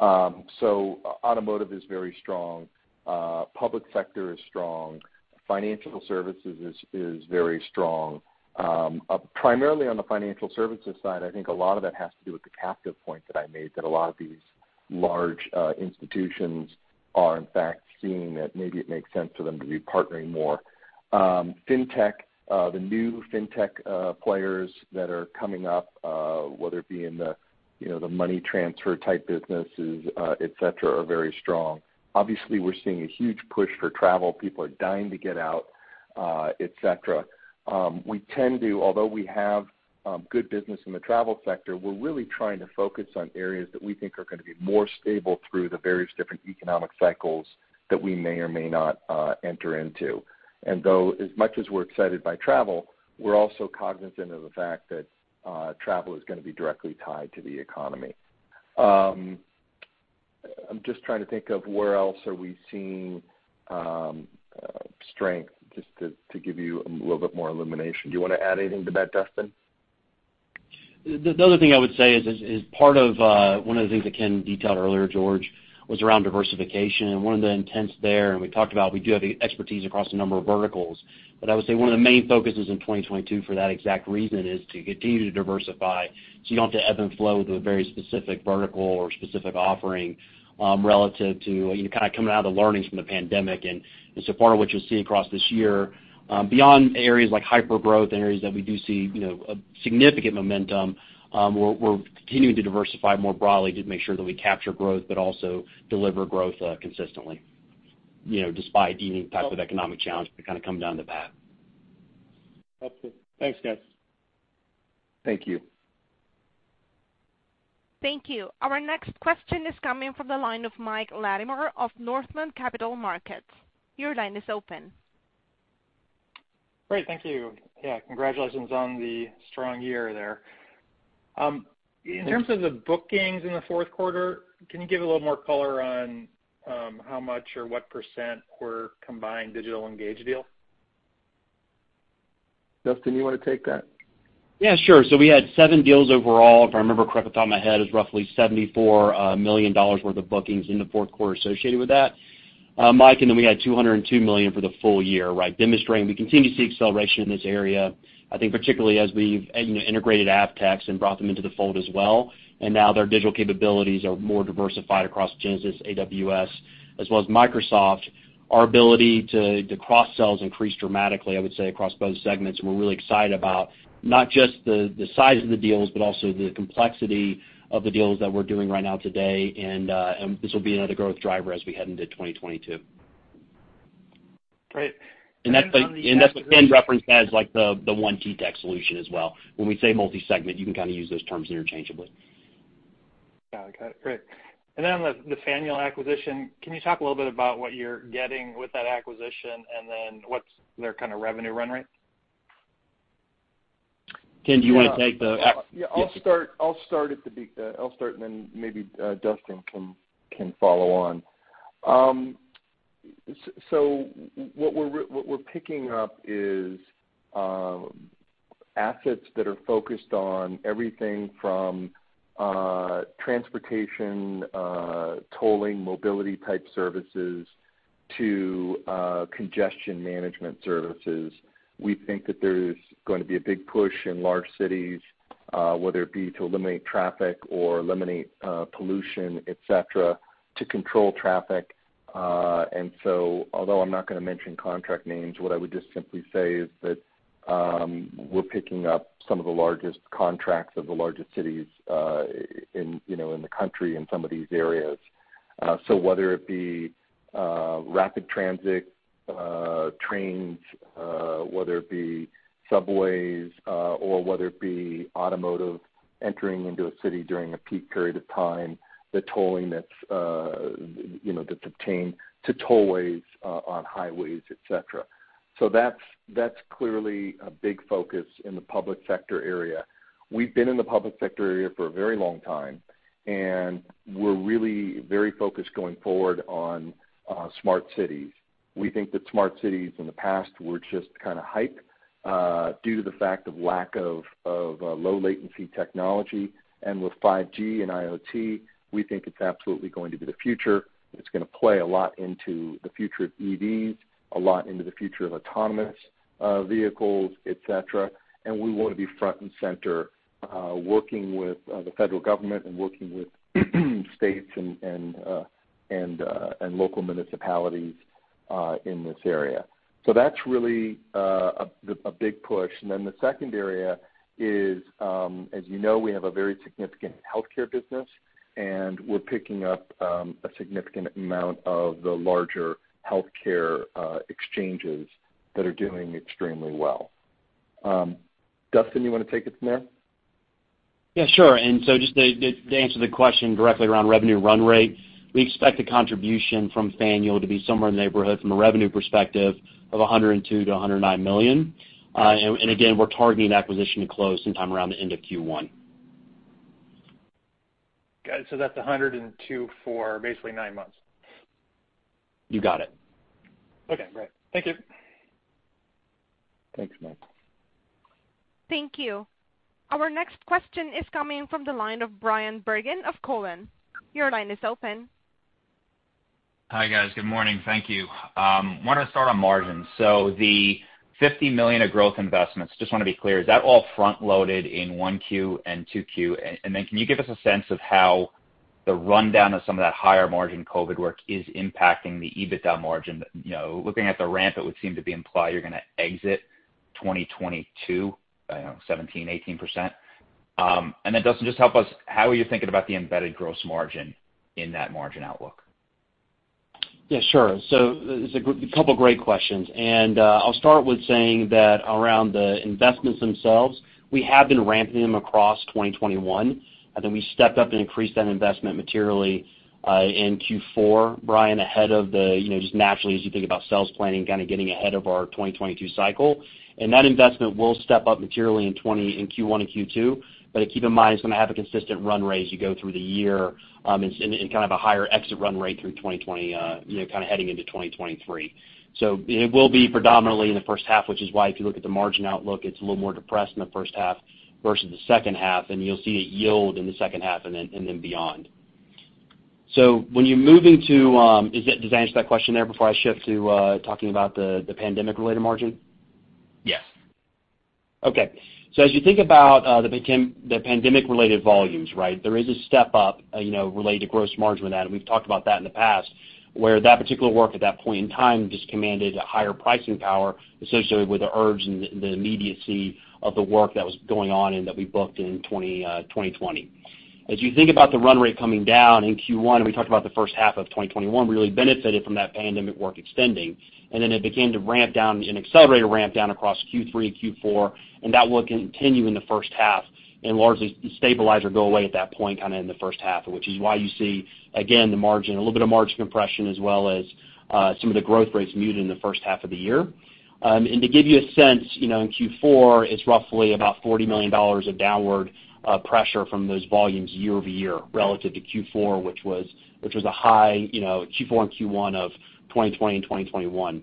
Automotive is very strong. Public sector is strong. Financial services is very strong. Primarily on the financial services side, I think a lot of that has to do with the captive point that I made, that a lot of these large institutions are in fact seeing that maybe it makes sense for them to be partnering more. Fintech, the new fintech players that are coming up, whether it be in the, you know, the money transfer type businesses, et cetera, are very strong. Obviously, we're seeing a huge push for travel. People are dying to get out, et cetera. We tend to, although we have good business in the travel sector, we're really trying to focus on areas that we think are gonna be more stable through the various different economic cycles that we may or may not enter into. Though as much as we're excited by travel, we're also cognizant of the fact that travel is gonna be directly tied to the economy. I'm just trying to think of where else are we seeing strength just to give you a little bit more illumination. Do you wanna add anything to that, Dustin? The other thing I would say is part of one of the things that Ken detailed earlier, George, was around diversification. One of the intents there, and we talked about we do have the expertise across a number of verticals. I would say one of the main focuses in 2022 for that exact reason is to continue to diversify, so you don't have to ebb and flow to a very specific vertical or specific offering, relative to you kind of coming out of the learnings from the pandemic. Part of what you'll see across this year, beyond areas like hypergrowth and areas that we do see, you know, a significant momentum, we're continuing to diversify more broadly to make sure that we capture growth but also deliver growth consistently, you know, despite any type of economic challenge that kind of come down the path. That's it. Thanks, guys. Thank you. Thank you. Our next question is coming from the line of Michael Latimore of Northland Capital Markets. Your line is open. Great. Thank you. Yeah, congratulations on the strong year there. In terms of the bookings in the fourth quarter, can you give a little more color on how much or what percent were combined Digital Engage deals? Dustin, you wanna take that? Yeah, sure. We had seven deals overall. If I remember correct off the top of my head, it was roughly $74 million worth of bookings in the fourth quarter associated with that, Mike, then we had $202 million for the full year, right? Demonstrating we continue to see acceleration in this area. I think particularly as we've, you know, integrated Avtex and brought them into the fold as well, now their digital capabilities are more diversified across Genesys, AWS, as well as Microsoft. Our ability to cross-sell has increased dramatically, I would say, across both segments, we're really excited about not just the size of the deals, but also the complexity of the deals that we're doing right now today. This will be another growth driver as we head into 2022. Great. That's what Ken referenced as like the One TTEC solution as well. When we say multi-segment, you can kind of use those terms interchangeably. Got it. Great. On the Faneuil acquisition, can you talk a little bit about what you're getting with that acquisition, and then what's their kind of revenue run rate? Ken, do you wanna take the ac- Yeah, I'll start, and then maybe Dustin can follow on. So what we're picking up is assets that are focused on everything from transportation, tolling, mobility type services to congestion management services. We think that there's going to be a big push in large cities, whether it be to eliminate traffic or eliminate pollution, et cetera, to control traffic. Although I'm not gonna mention contract names, what I would just simply say is that we're picking up some of the largest contracts of the largest cities in, you know, in the country in some of these areas. Whether it be rapid transit trains, whether it be subways, or whether it be automotive entering into a city during a peak period of time, the tolling that's you know that's obtained to tollways on highways, et cetera. That's clearly a big focus in the public sector area. We've been in the public sector area for a very long time, and we're really very focused going forward on smart cities. We think that smart cities in the past were just kinda hype due to the fact of lack of low latency technology. With 5G and IoT, we think it's absolutely going to be the future. It's gonna play a lot into the future of EVs, a lot into the future of autonomous vehicles, et cetera. We wanna be front and center, working with the federal government and working with states and local municipalities in this area. That's really a big push. Then the second area is, as you know, we have a very significant healthcare business, and we're picking up a significant amount of the larger healthcare exchanges that are doing extremely well. Dustin, you wanna take it from there? Yeah, sure. Just to answer the question directly around revenue run rate, we expect the contribution from Faneuil to be somewhere in the neighborhood from a revenue perspective of $102 million-$109 million. Again, we're targeting acquisition to close sometime around the end of Q1. Got it. That's 102 for basically nine months. You got it. Okay, great. Thank you. Thanks, Mike. Thank you. Our next question is coming from the line of Bryan Bergin of Cowen. Your line is open. Hi, guys. Good morning. Thank you. I wanted to start on margins. The $50 million of growth investments, just wanna be clear, is that all front-loaded in Q1 and Q2? And then can you give us a sense of how the rundown of some of that higher margin COVID work is impacting the EBITDA margin? You know, looking at the ramp, it would seem to be implied you're gonna exit 2022, I don't know, 17%-18%. Dustin, just help us, how are you thinking about the embedded gross margin in that margin outlook? Yeah, sure. There's a couple great questions. I'll start with saying that around the investments themselves, we have been ramping them across 2021. I think we stepped up and increased that investment materially in Q4, Bryan, ahead of the, you know, just naturally as you think about sales planning, kind of getting ahead of our 2022 cycle. That investment will step up materially in Q1 and Q2. Keep in mind, it's gonna have a consistent run rate as you go through the year. It's in kind of a higher exit run rate through 2022, you know, kind of heading into 2023. It will be predominantly in the first half, which is why if you look at the margin outlook, it's a little more depressed in the first half versus the second half, and you'll see it yield in the second half and then beyond. When you move into, is it, does that answer that question there before I shift to talking about the pandemic-related margin? Yes. Okay. As you think about the pandemic-related volumes, right? There is a step-up, you know, related to gross margin with that, and we've talked about that in the past, where that particular work at that point in time just commanded a higher pricing power associated with the urge and the immediacy of the work that was going on and that we booked in 2020. As you think about the run rate coming down in Q1, and we talked about the first half of 2021 really benefited from that pandemic work extending. Then it began to ramp down and accelerate a ramp down across Q3, Q4, and that will continue in the first half and largely stabilize or go away at that point, kinda in the first half, which is why you see, again, the margin, a little bit of margin compression as well as some of the growth rates muted in the first half of the year. To give you a sense, you know, in Q4, it's roughly about $40 million of downward pressure from those volumes year-over-year relative to Q4, which was a high, you know, Q4 and Q1 of 2020 and 2021.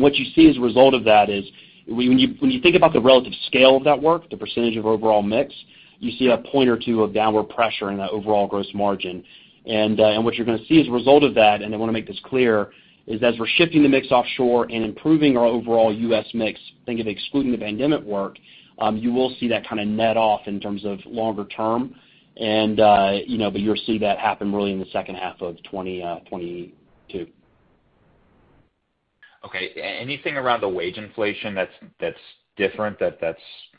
What you see as a result of that is when you think about the relative scale of that work, the percentage of overall mix, you see a point or two of downward pressure in that overall gross margin. What you're gonna see as a result of that, and I wanna make this clear, is as we're shifting the mix offshore and improving our overall U.S. mix, think of excluding the pandemic work, you will see that kinda net off in terms of longer term. You know, but you'll see that happen really in the second half of 2022. Okay. Anything around the wage inflation that's different, that's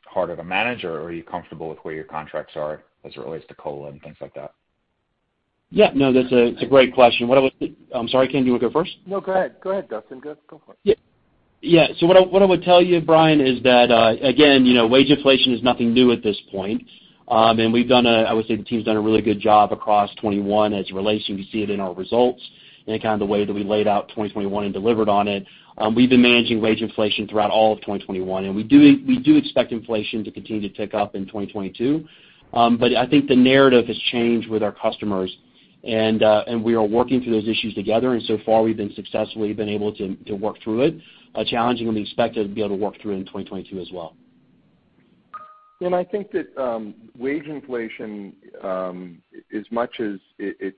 harder to manage, or are you comfortable with where your contracts are as it relates to COLA and things like that? Yeah. No, that's a, it's a great question. I'm sorry, Ken, do you wanna go first? No, go ahead. Go ahead, Dustin. Go, go for it. What I would tell you, Bryan, is that again you know wage inflation is nothing new at this point. I would say the team's done a really good job across 2021 as it relates. You can see it in our results and in kind of the way that we laid out 2021 and delivered on it. We've been managing wage inflation throughout all of 2021, and we do expect inflation to continue to tick up in 2022. I think the narrative has changed with our customers and we are working through those issues together, and so far we've been successfully able to work through it, challenging and we expect to be able to work through it in 2022 as well. I think that wage inflation, as much as it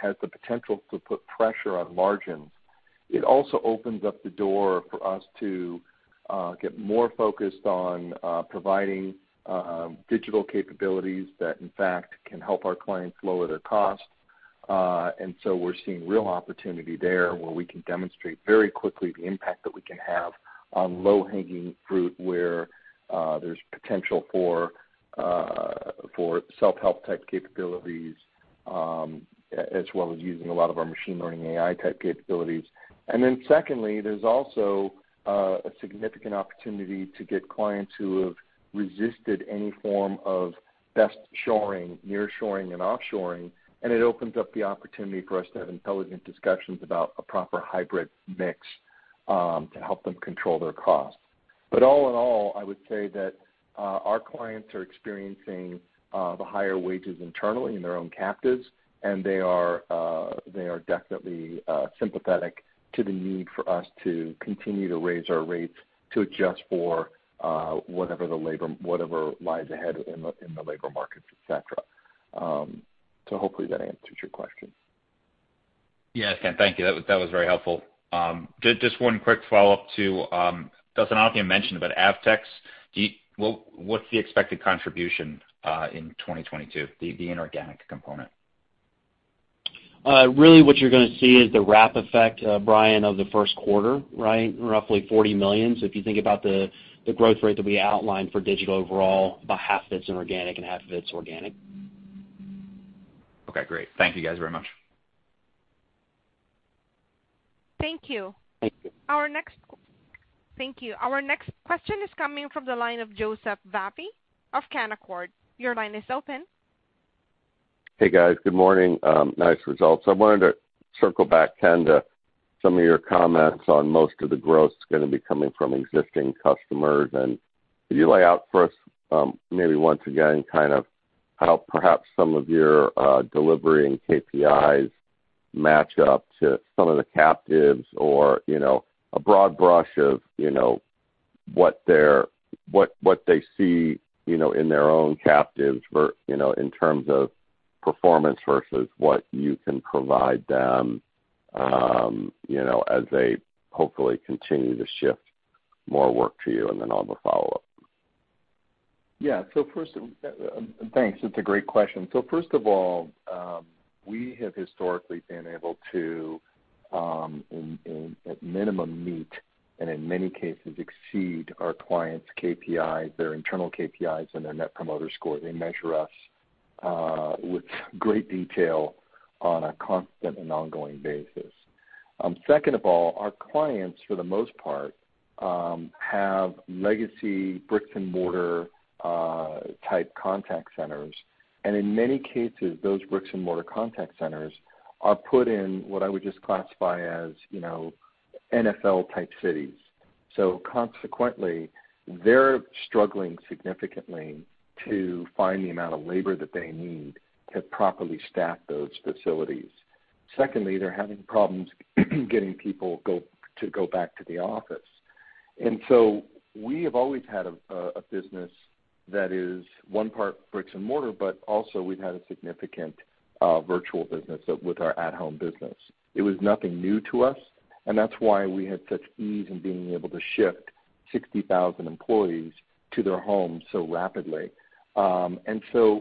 has the potential to put pressure on margins, it also opens up the door for us to get more focused on providing digital capabilities that in fact can help our clients lower their costs. We're seeing real opportunity there where we can demonstrate very quickly the impact that we can have on low-hanging fruit where there's potential for self-help type capabilities, as well as using a lot of our machine learning AI type capabilities. Secondly, there's also a significant opportunity to get clients who have resisted any form of best shoring, near shoring and offshoring, and it opens up the opportunity for us to have intelligent discussions about a proper hybrid mix, to help them control their costs. All in all, I would say that our clients are experiencing the higher wages internally in their own captives, and they are definitely sympathetic to the need for us to continue to raise our rates to adjust for whatever lies ahead in the labor markets, et cetera. Hopefully that answers your question. Yes. Ken, thank you. That was very helpful. Just one quick follow-up to Dustin. I know you mentioned about Avtex. What's the expected contribution in 2022, the inorganic component? Really what you're gonna see is the wrap effect, Bryan, of the first quarter, right? Roughly $40 million. If you think about the growth rate that we outlined for digital overall, about half of it's inorganic and half of it's organic. Okay, great. Thank you guys very much. Thank you. Thank you. Thank you. Our next question is coming from the line of Joseph Vafi of Canaccord. Your line is open. Hey, guys. Good morning. Nice results. I wanted to circle back, Ken, to some of your comments on most of the growth's gonna be coming from existing customers. Could you lay out for us, maybe once again kind of how perhaps some of your delivery and KPIs match up to some of the captives or, you know, a broad brush of, you know, what they see, you know, in their own captives versus, you know, in terms of performance versus what you can provide them, you know, as they hopefully continue to shift more work to you, and then I'll have a follow-up. Yeah. Thanks. It's a great question. First of all, we have historically been able to at minimum meet, and in many cases exceed our clients' KPIs, their internal KPIs and their net promoter score. They measure us with great detail on a constant and ongoing basis. Second of all, our clients, for the most part, have legacy bricks and mortar type contact centers, and in many cases, those bricks and mortar contact centers are put in what I would just classify as NFL type cities. Consequently, they're struggling significantly to find the amount of labor that they need to properly staff those facilities. Secondly, they're having problems getting people to go back to the office. We have always had a business that is one part bricks and mortar, but also we've had a significant virtual business with our at home business. It was nothing new to us, and that's why we had such ease in being able to shift 60,000 employees to their homes so rapidly.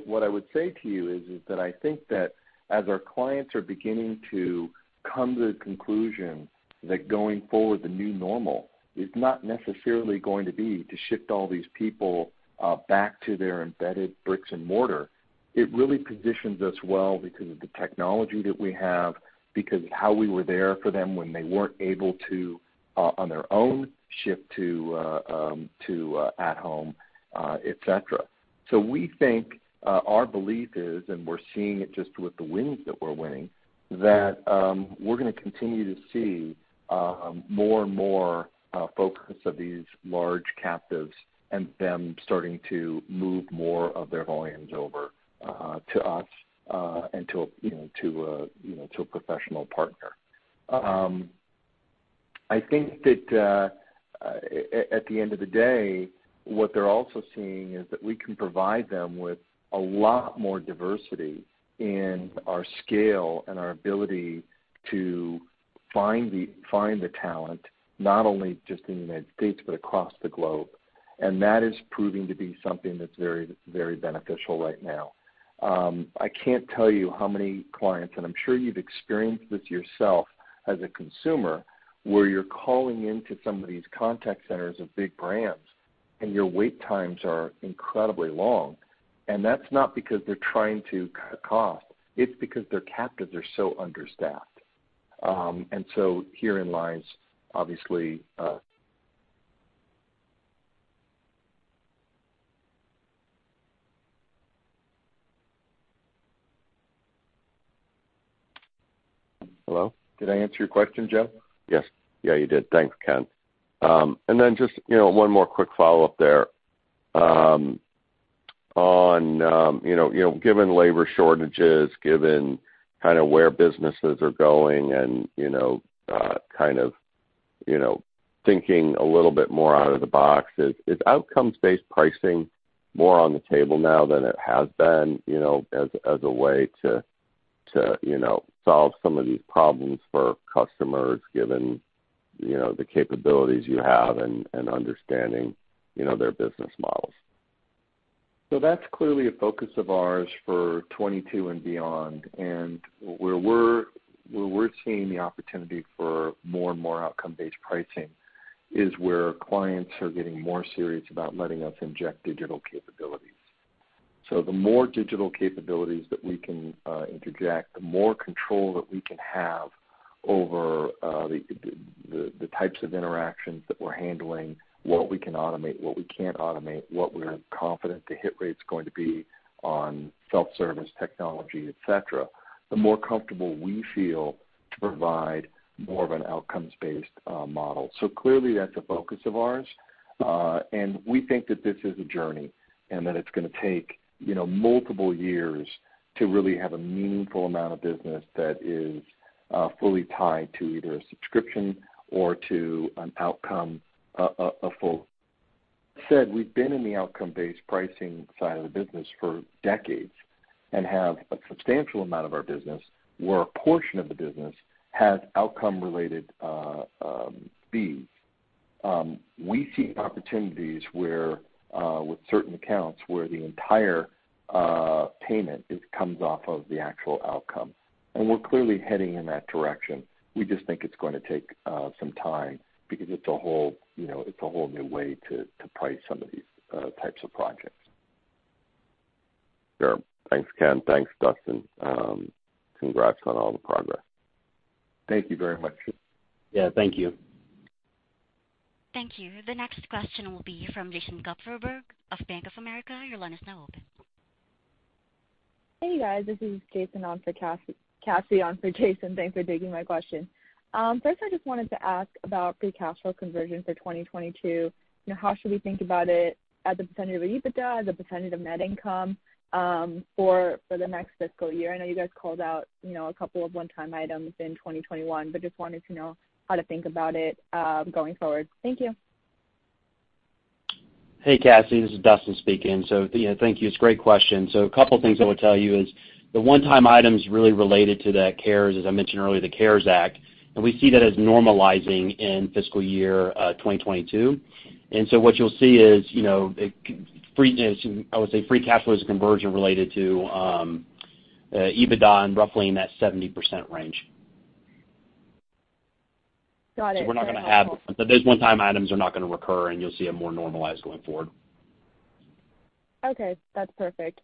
What I would say to you is that I think that as our clients are beginning to come to the conclusion that going forward, the new normal is not necessarily going to be to shift all these people back to their embedded bricks and mortar, it really positions us well because of the technology that we have, because how we were there for them when they weren't able to on their own shift to at home, et cetera. We think our belief is, and we're seeing it just with the wins that we're winning, that we're gonna continue to see more and more focus of these large captives and them starting to move more of their volumes over to us and to, you know, a professional partner. I think that at the end of the day, what they're also seeing is that we can provide them with a lot more diversity in our scale and our ability to find the talent, not only just in the United States, but across the globe. That is proving to be something that's very beneficial right now. I can't tell you how many clients, and I'm sure you've experienced this yourself as a consumer, where you're calling into some of these contact centers of big brands, and your wait times are incredibly long. That's not because they're trying to cut costs, it's because their captives are so understaffed. Herein lies obviously. Hello? Did I answer your question, Joe? Yes. Yeah, you did. Thanks, Ken. Just you know one more quick follow-up there on you know given labor shortages, kind of where businesses are going and you know kind of you know thinking a little bit more out of the box, is outcomes-based pricing more on the table now than it has been, you know, as a way to you know solve some of these problems for customers given you know the capabilities you have and understanding you know their business models? That's clearly a focus of ours for 2022 and beyond. Where we're seeing the opportunity for more and more outcome-based pricing is where clients are getting more serious about letting us inject digital capabilities. The more digital capabilities that we can interject, the more control that we can have over the types of interactions that we're handling, what we can automate, what we can't automate, what we're confident the hit rate's going to be on self-service technology, et cetera, the more comfortable we feel to provide more of an outcomes-based model. Clearly that's a focus of ours. We think that this is a journey and that it's gonna take, you know, multiple years to really have a meaningful amount of business that is fully tied to either a subscription or to an outcome. We've said, we've been in the outcome-based pricing side of the business for decades and have a substantial amount of our business where a portion of the business has outcome-related fees. We see opportunities where, with certain accounts, where the entire payment comes off of the actual outcome, and we're clearly heading in that direction. We just think it's going to take some time because it's a whole new way to price some of these types of projects. Sure. Thanks, Ken. Thanks, Dustin. Congrats on all the progress. Thank you very much. Yeah, thank you. Thank you. The next question will be from Jason Kupferberg of Bank of America. Your line is now open. Hey, guys, this is Cassie on for Jason. Thanks for taking my question. First I just wanted to ask about free cash flow conversion for 2022. You know, how should we think about it as a percentage of EBITDA, as a percentage of net income, for the next fiscal year? I know you guys called out, you know, a couple of one-time items in 2021, but just wanted to know how to think about it going forward. Thank you. Hey, Cassie, this is Dustin speaking. Yeah, thank you. It's a great question. A couple things I would tell you is the one-time items really related to that CARES, as I mentioned earlier, the CARES Act, and we see that as normalizing in fiscal year 2022. What you'll see is, you know, I would say free cash flow as a conversion related to EBITDA and roughly in that 70% range. Got it. Those one-time items are not gonna recur, and you'll see it more normalized going forward. Okay, that's perfect.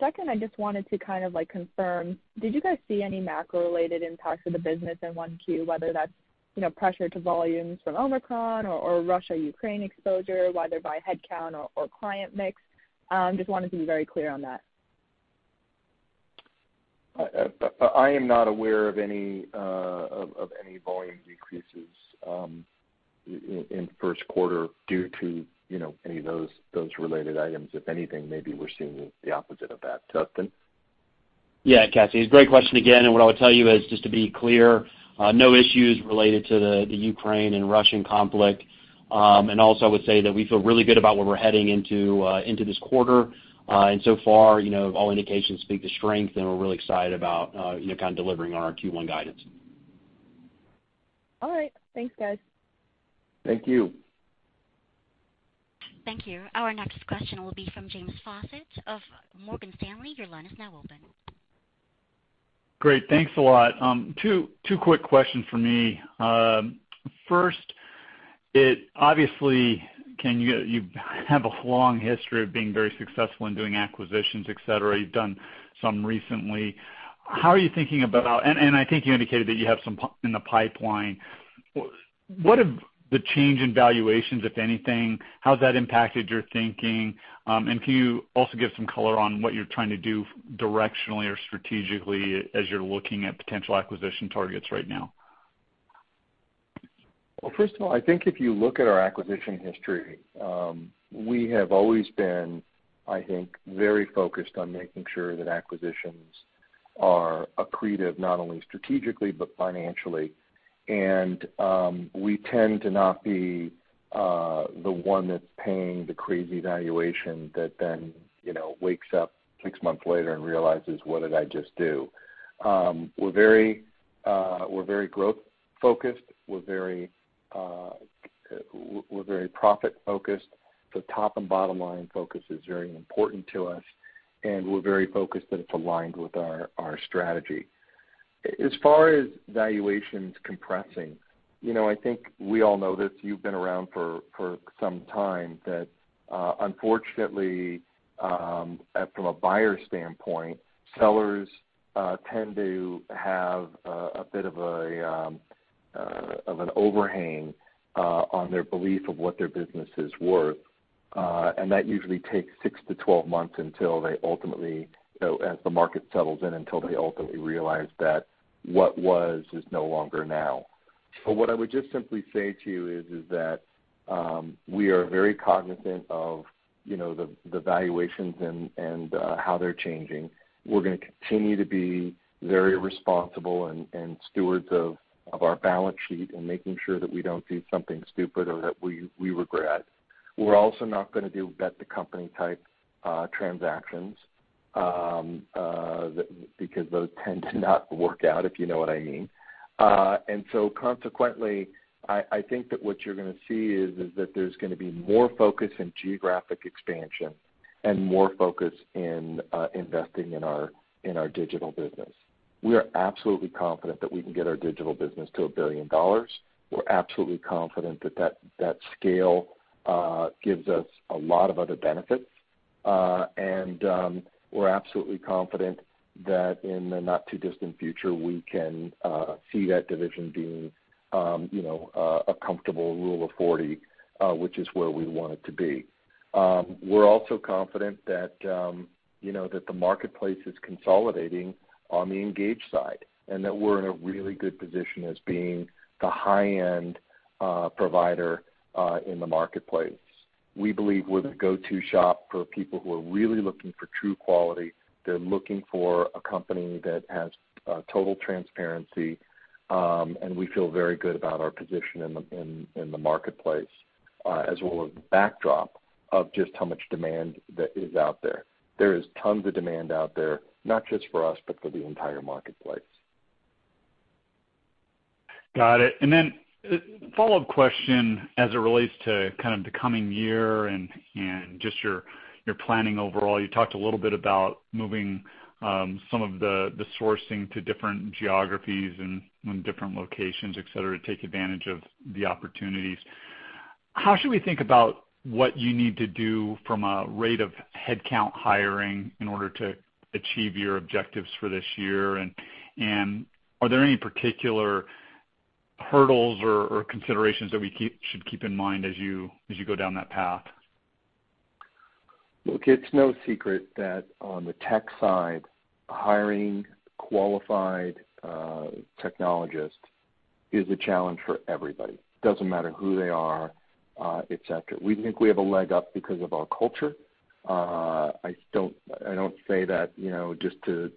Second, I just wanted to kind of like confirm, did you guys see any macro related impacts of the business in 1Q, whether that's, you know, pressure to volumes from Omicron or Russia-Ukraine exposure, whether by headcount or client mix? Just wanted to be very clear on that. I am not aware of any volume decreases in first quarter due to you know any of those related items. If anything, maybe we're seeing the opposite of that. Dustin? Yeah, Cassie. It's a great question again, and what I would tell you is just to be clear, no issues related to the Ukraine and Russian conflict. Also I would say that we feel really good about where we're heading into this quarter. So far, you know, all indications speak to strength, and we're really excited about, you know, kind of delivering on our Q1 guidance. All right. Thanks, guys. Thank you. Thank you. Our next question will be from James Faucette of Morgan Stanley. Your line is now open. Great. Thanks a lot. Two quick questions from me. First, you have a long history of being very successful in doing acquisitions, et cetera. You've done some recently. I think you indicated that you have some in the pipeline. What have the change in valuations, if anything, how's that impacted your thinking? Can you also give some color on what you're trying to do directionally or strategically as you're looking at potential acquisition targets right now? Well, first of all, I think if you look at our acquisition history, we have always been, I think, very focused on making sure that acquisitions are accretive, not only strategically but financially. We tend to not be the one that's paying the crazy valuation that then, you know, wakes up six months later and realizes, "What did I just do?" We're very growth-focused. We're very profit-focused. The top and bottom line focus is very important to us, and we're very focused that it's aligned with our strategy. As far as valuations compressing, you know, I think we all know this. You've been around for some time. That unfortunately from a buyer standpoint sellers tend to have a bit of an overhang on their belief of what their business is worth and that usually takes 6-12 months until they ultimately as the market settles in realize that what was is no longer now. What I would just simply say to you is that we are very cognizant of you know the valuations and how they're changing. We're gonna continue to be very responsible and stewards of our balance sheet and making sure that we don't do something stupid or that we regret. We're also not gonna do bet the company type transactions because those tend to not work out, if you know what I mean. Consequently, I think that what you're gonna see is that there's gonna be more focus in geographic expansion and more focus in investing in our digital business. We are absolutely confident that we can get our digital business to $1 billion. We're absolutely confident that that scale gives us a lot of other benefits. We're absolutely confident that in the not too distant future, we can see that division being you know a comfortable rule of 40, which is where we want it to be. We're also confident that, you know, that the marketplace is consolidating on the Engage side and that we're in a really good position as being the high-end provider in the marketplace. We believe we're the go-to shop for people who are really looking for true quality. They're looking for a company that has total transparency, and we feel very good about our position in the marketplace, as well as the backdrop of just how much demand that is out there. There is tons of demand out there, not just for us, but for the entire marketplace. Got it. A follow-up question as it relates to kind of the coming year and just your planning overall. You talked a little bit about moving some of the sourcing to different geographies and different locations, et cetera, to take advantage of the opportunities. How should we think about what you need to do from a rate of headcount hiring in order to achieve your objectives for this year? Are there any particular hurdles or considerations that we should keep in mind as you go down that path? Look, it's no secret that on the tech side, hiring qualified technologists is a challenge for everybody. Doesn't matter who they are, et cetera. We think we have a leg up because of our culture. I don't say that, you know, just to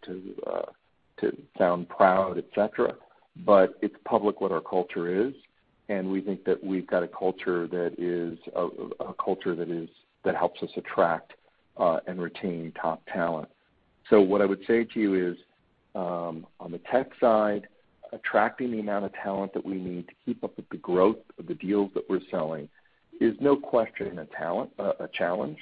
sound proud, et cetera, but it's public what our culture is, and we think that we've got a culture that helps us attract and retain top talent. What I would say to you is, on the tech side, attracting the amount of talent that we need to keep up with the growth of the deals that we're selling is no question a challenge,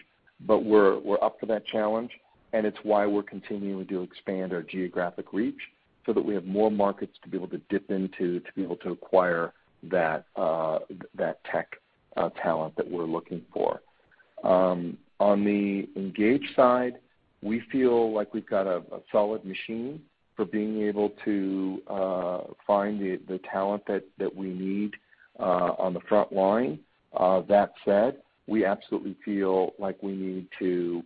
but we're up for that challenge, and it's why we're continuing to expand our geographic reach so that we have more markets to be able to dip into to be able to acquire that tech talent that we're looking for. On the Engage side, we feel like we've got a solid machine for being able to find the talent that we need on the front line. That said, we absolutely feel like we need to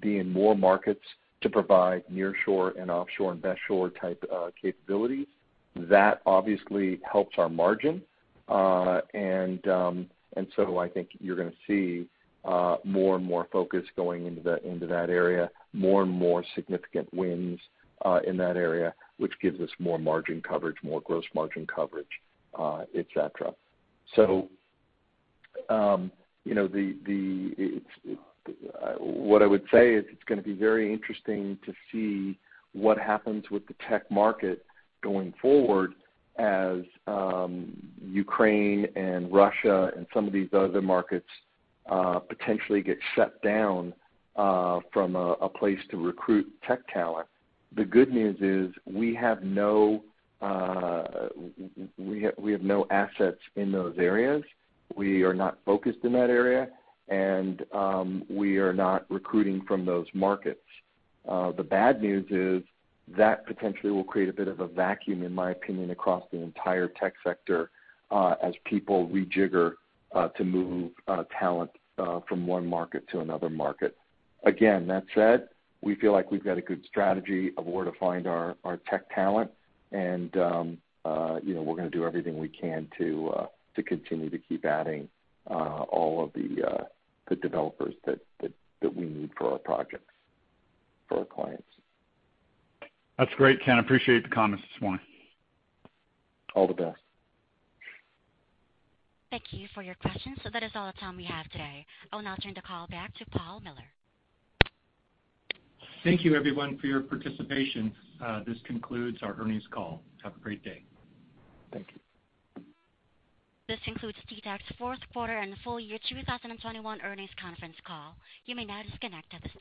be in more markets to provide nearshore and offshore and best shore type capabilities. That obviously helps our margin. I think you're gonna see more and more focus going into that area, more and more significant wins in that area, which gives us more margin coverage, more gross margin coverage, et cetera. You know, what I would say is it's gonna be very interesting to see what happens with the tech market going forward as Ukraine and Russia and some of these other markets potentially get shut down from a place to recruit tech talent. The good news is we have no assets in those areas. We are not focused in that area, and we are not recruiting from those markets. The bad news is that potentially will create a bit of a vacuum, in my opinion, across the entire tech sector, as people rejigger to move talent from one market to another market. Again, that said, we feel like we've got a good strategy of where to find our tech talent, and, you know, we're gonna do everything we can to continue to keep adding all of the developers that we need for our projects, for our clients. That's great, Ken. Appreciate the comments this morning. All the best. Thank you for your questions. That is all the time we have today. I'll now turn the call back to Paul Miller. Thank you, everyone, for your participation. This concludes our earnings call. Have a great day. Thank you. This concludes TTEC's fourth quarter and full year 2021 earnings conference call. You may now disconnect at this time.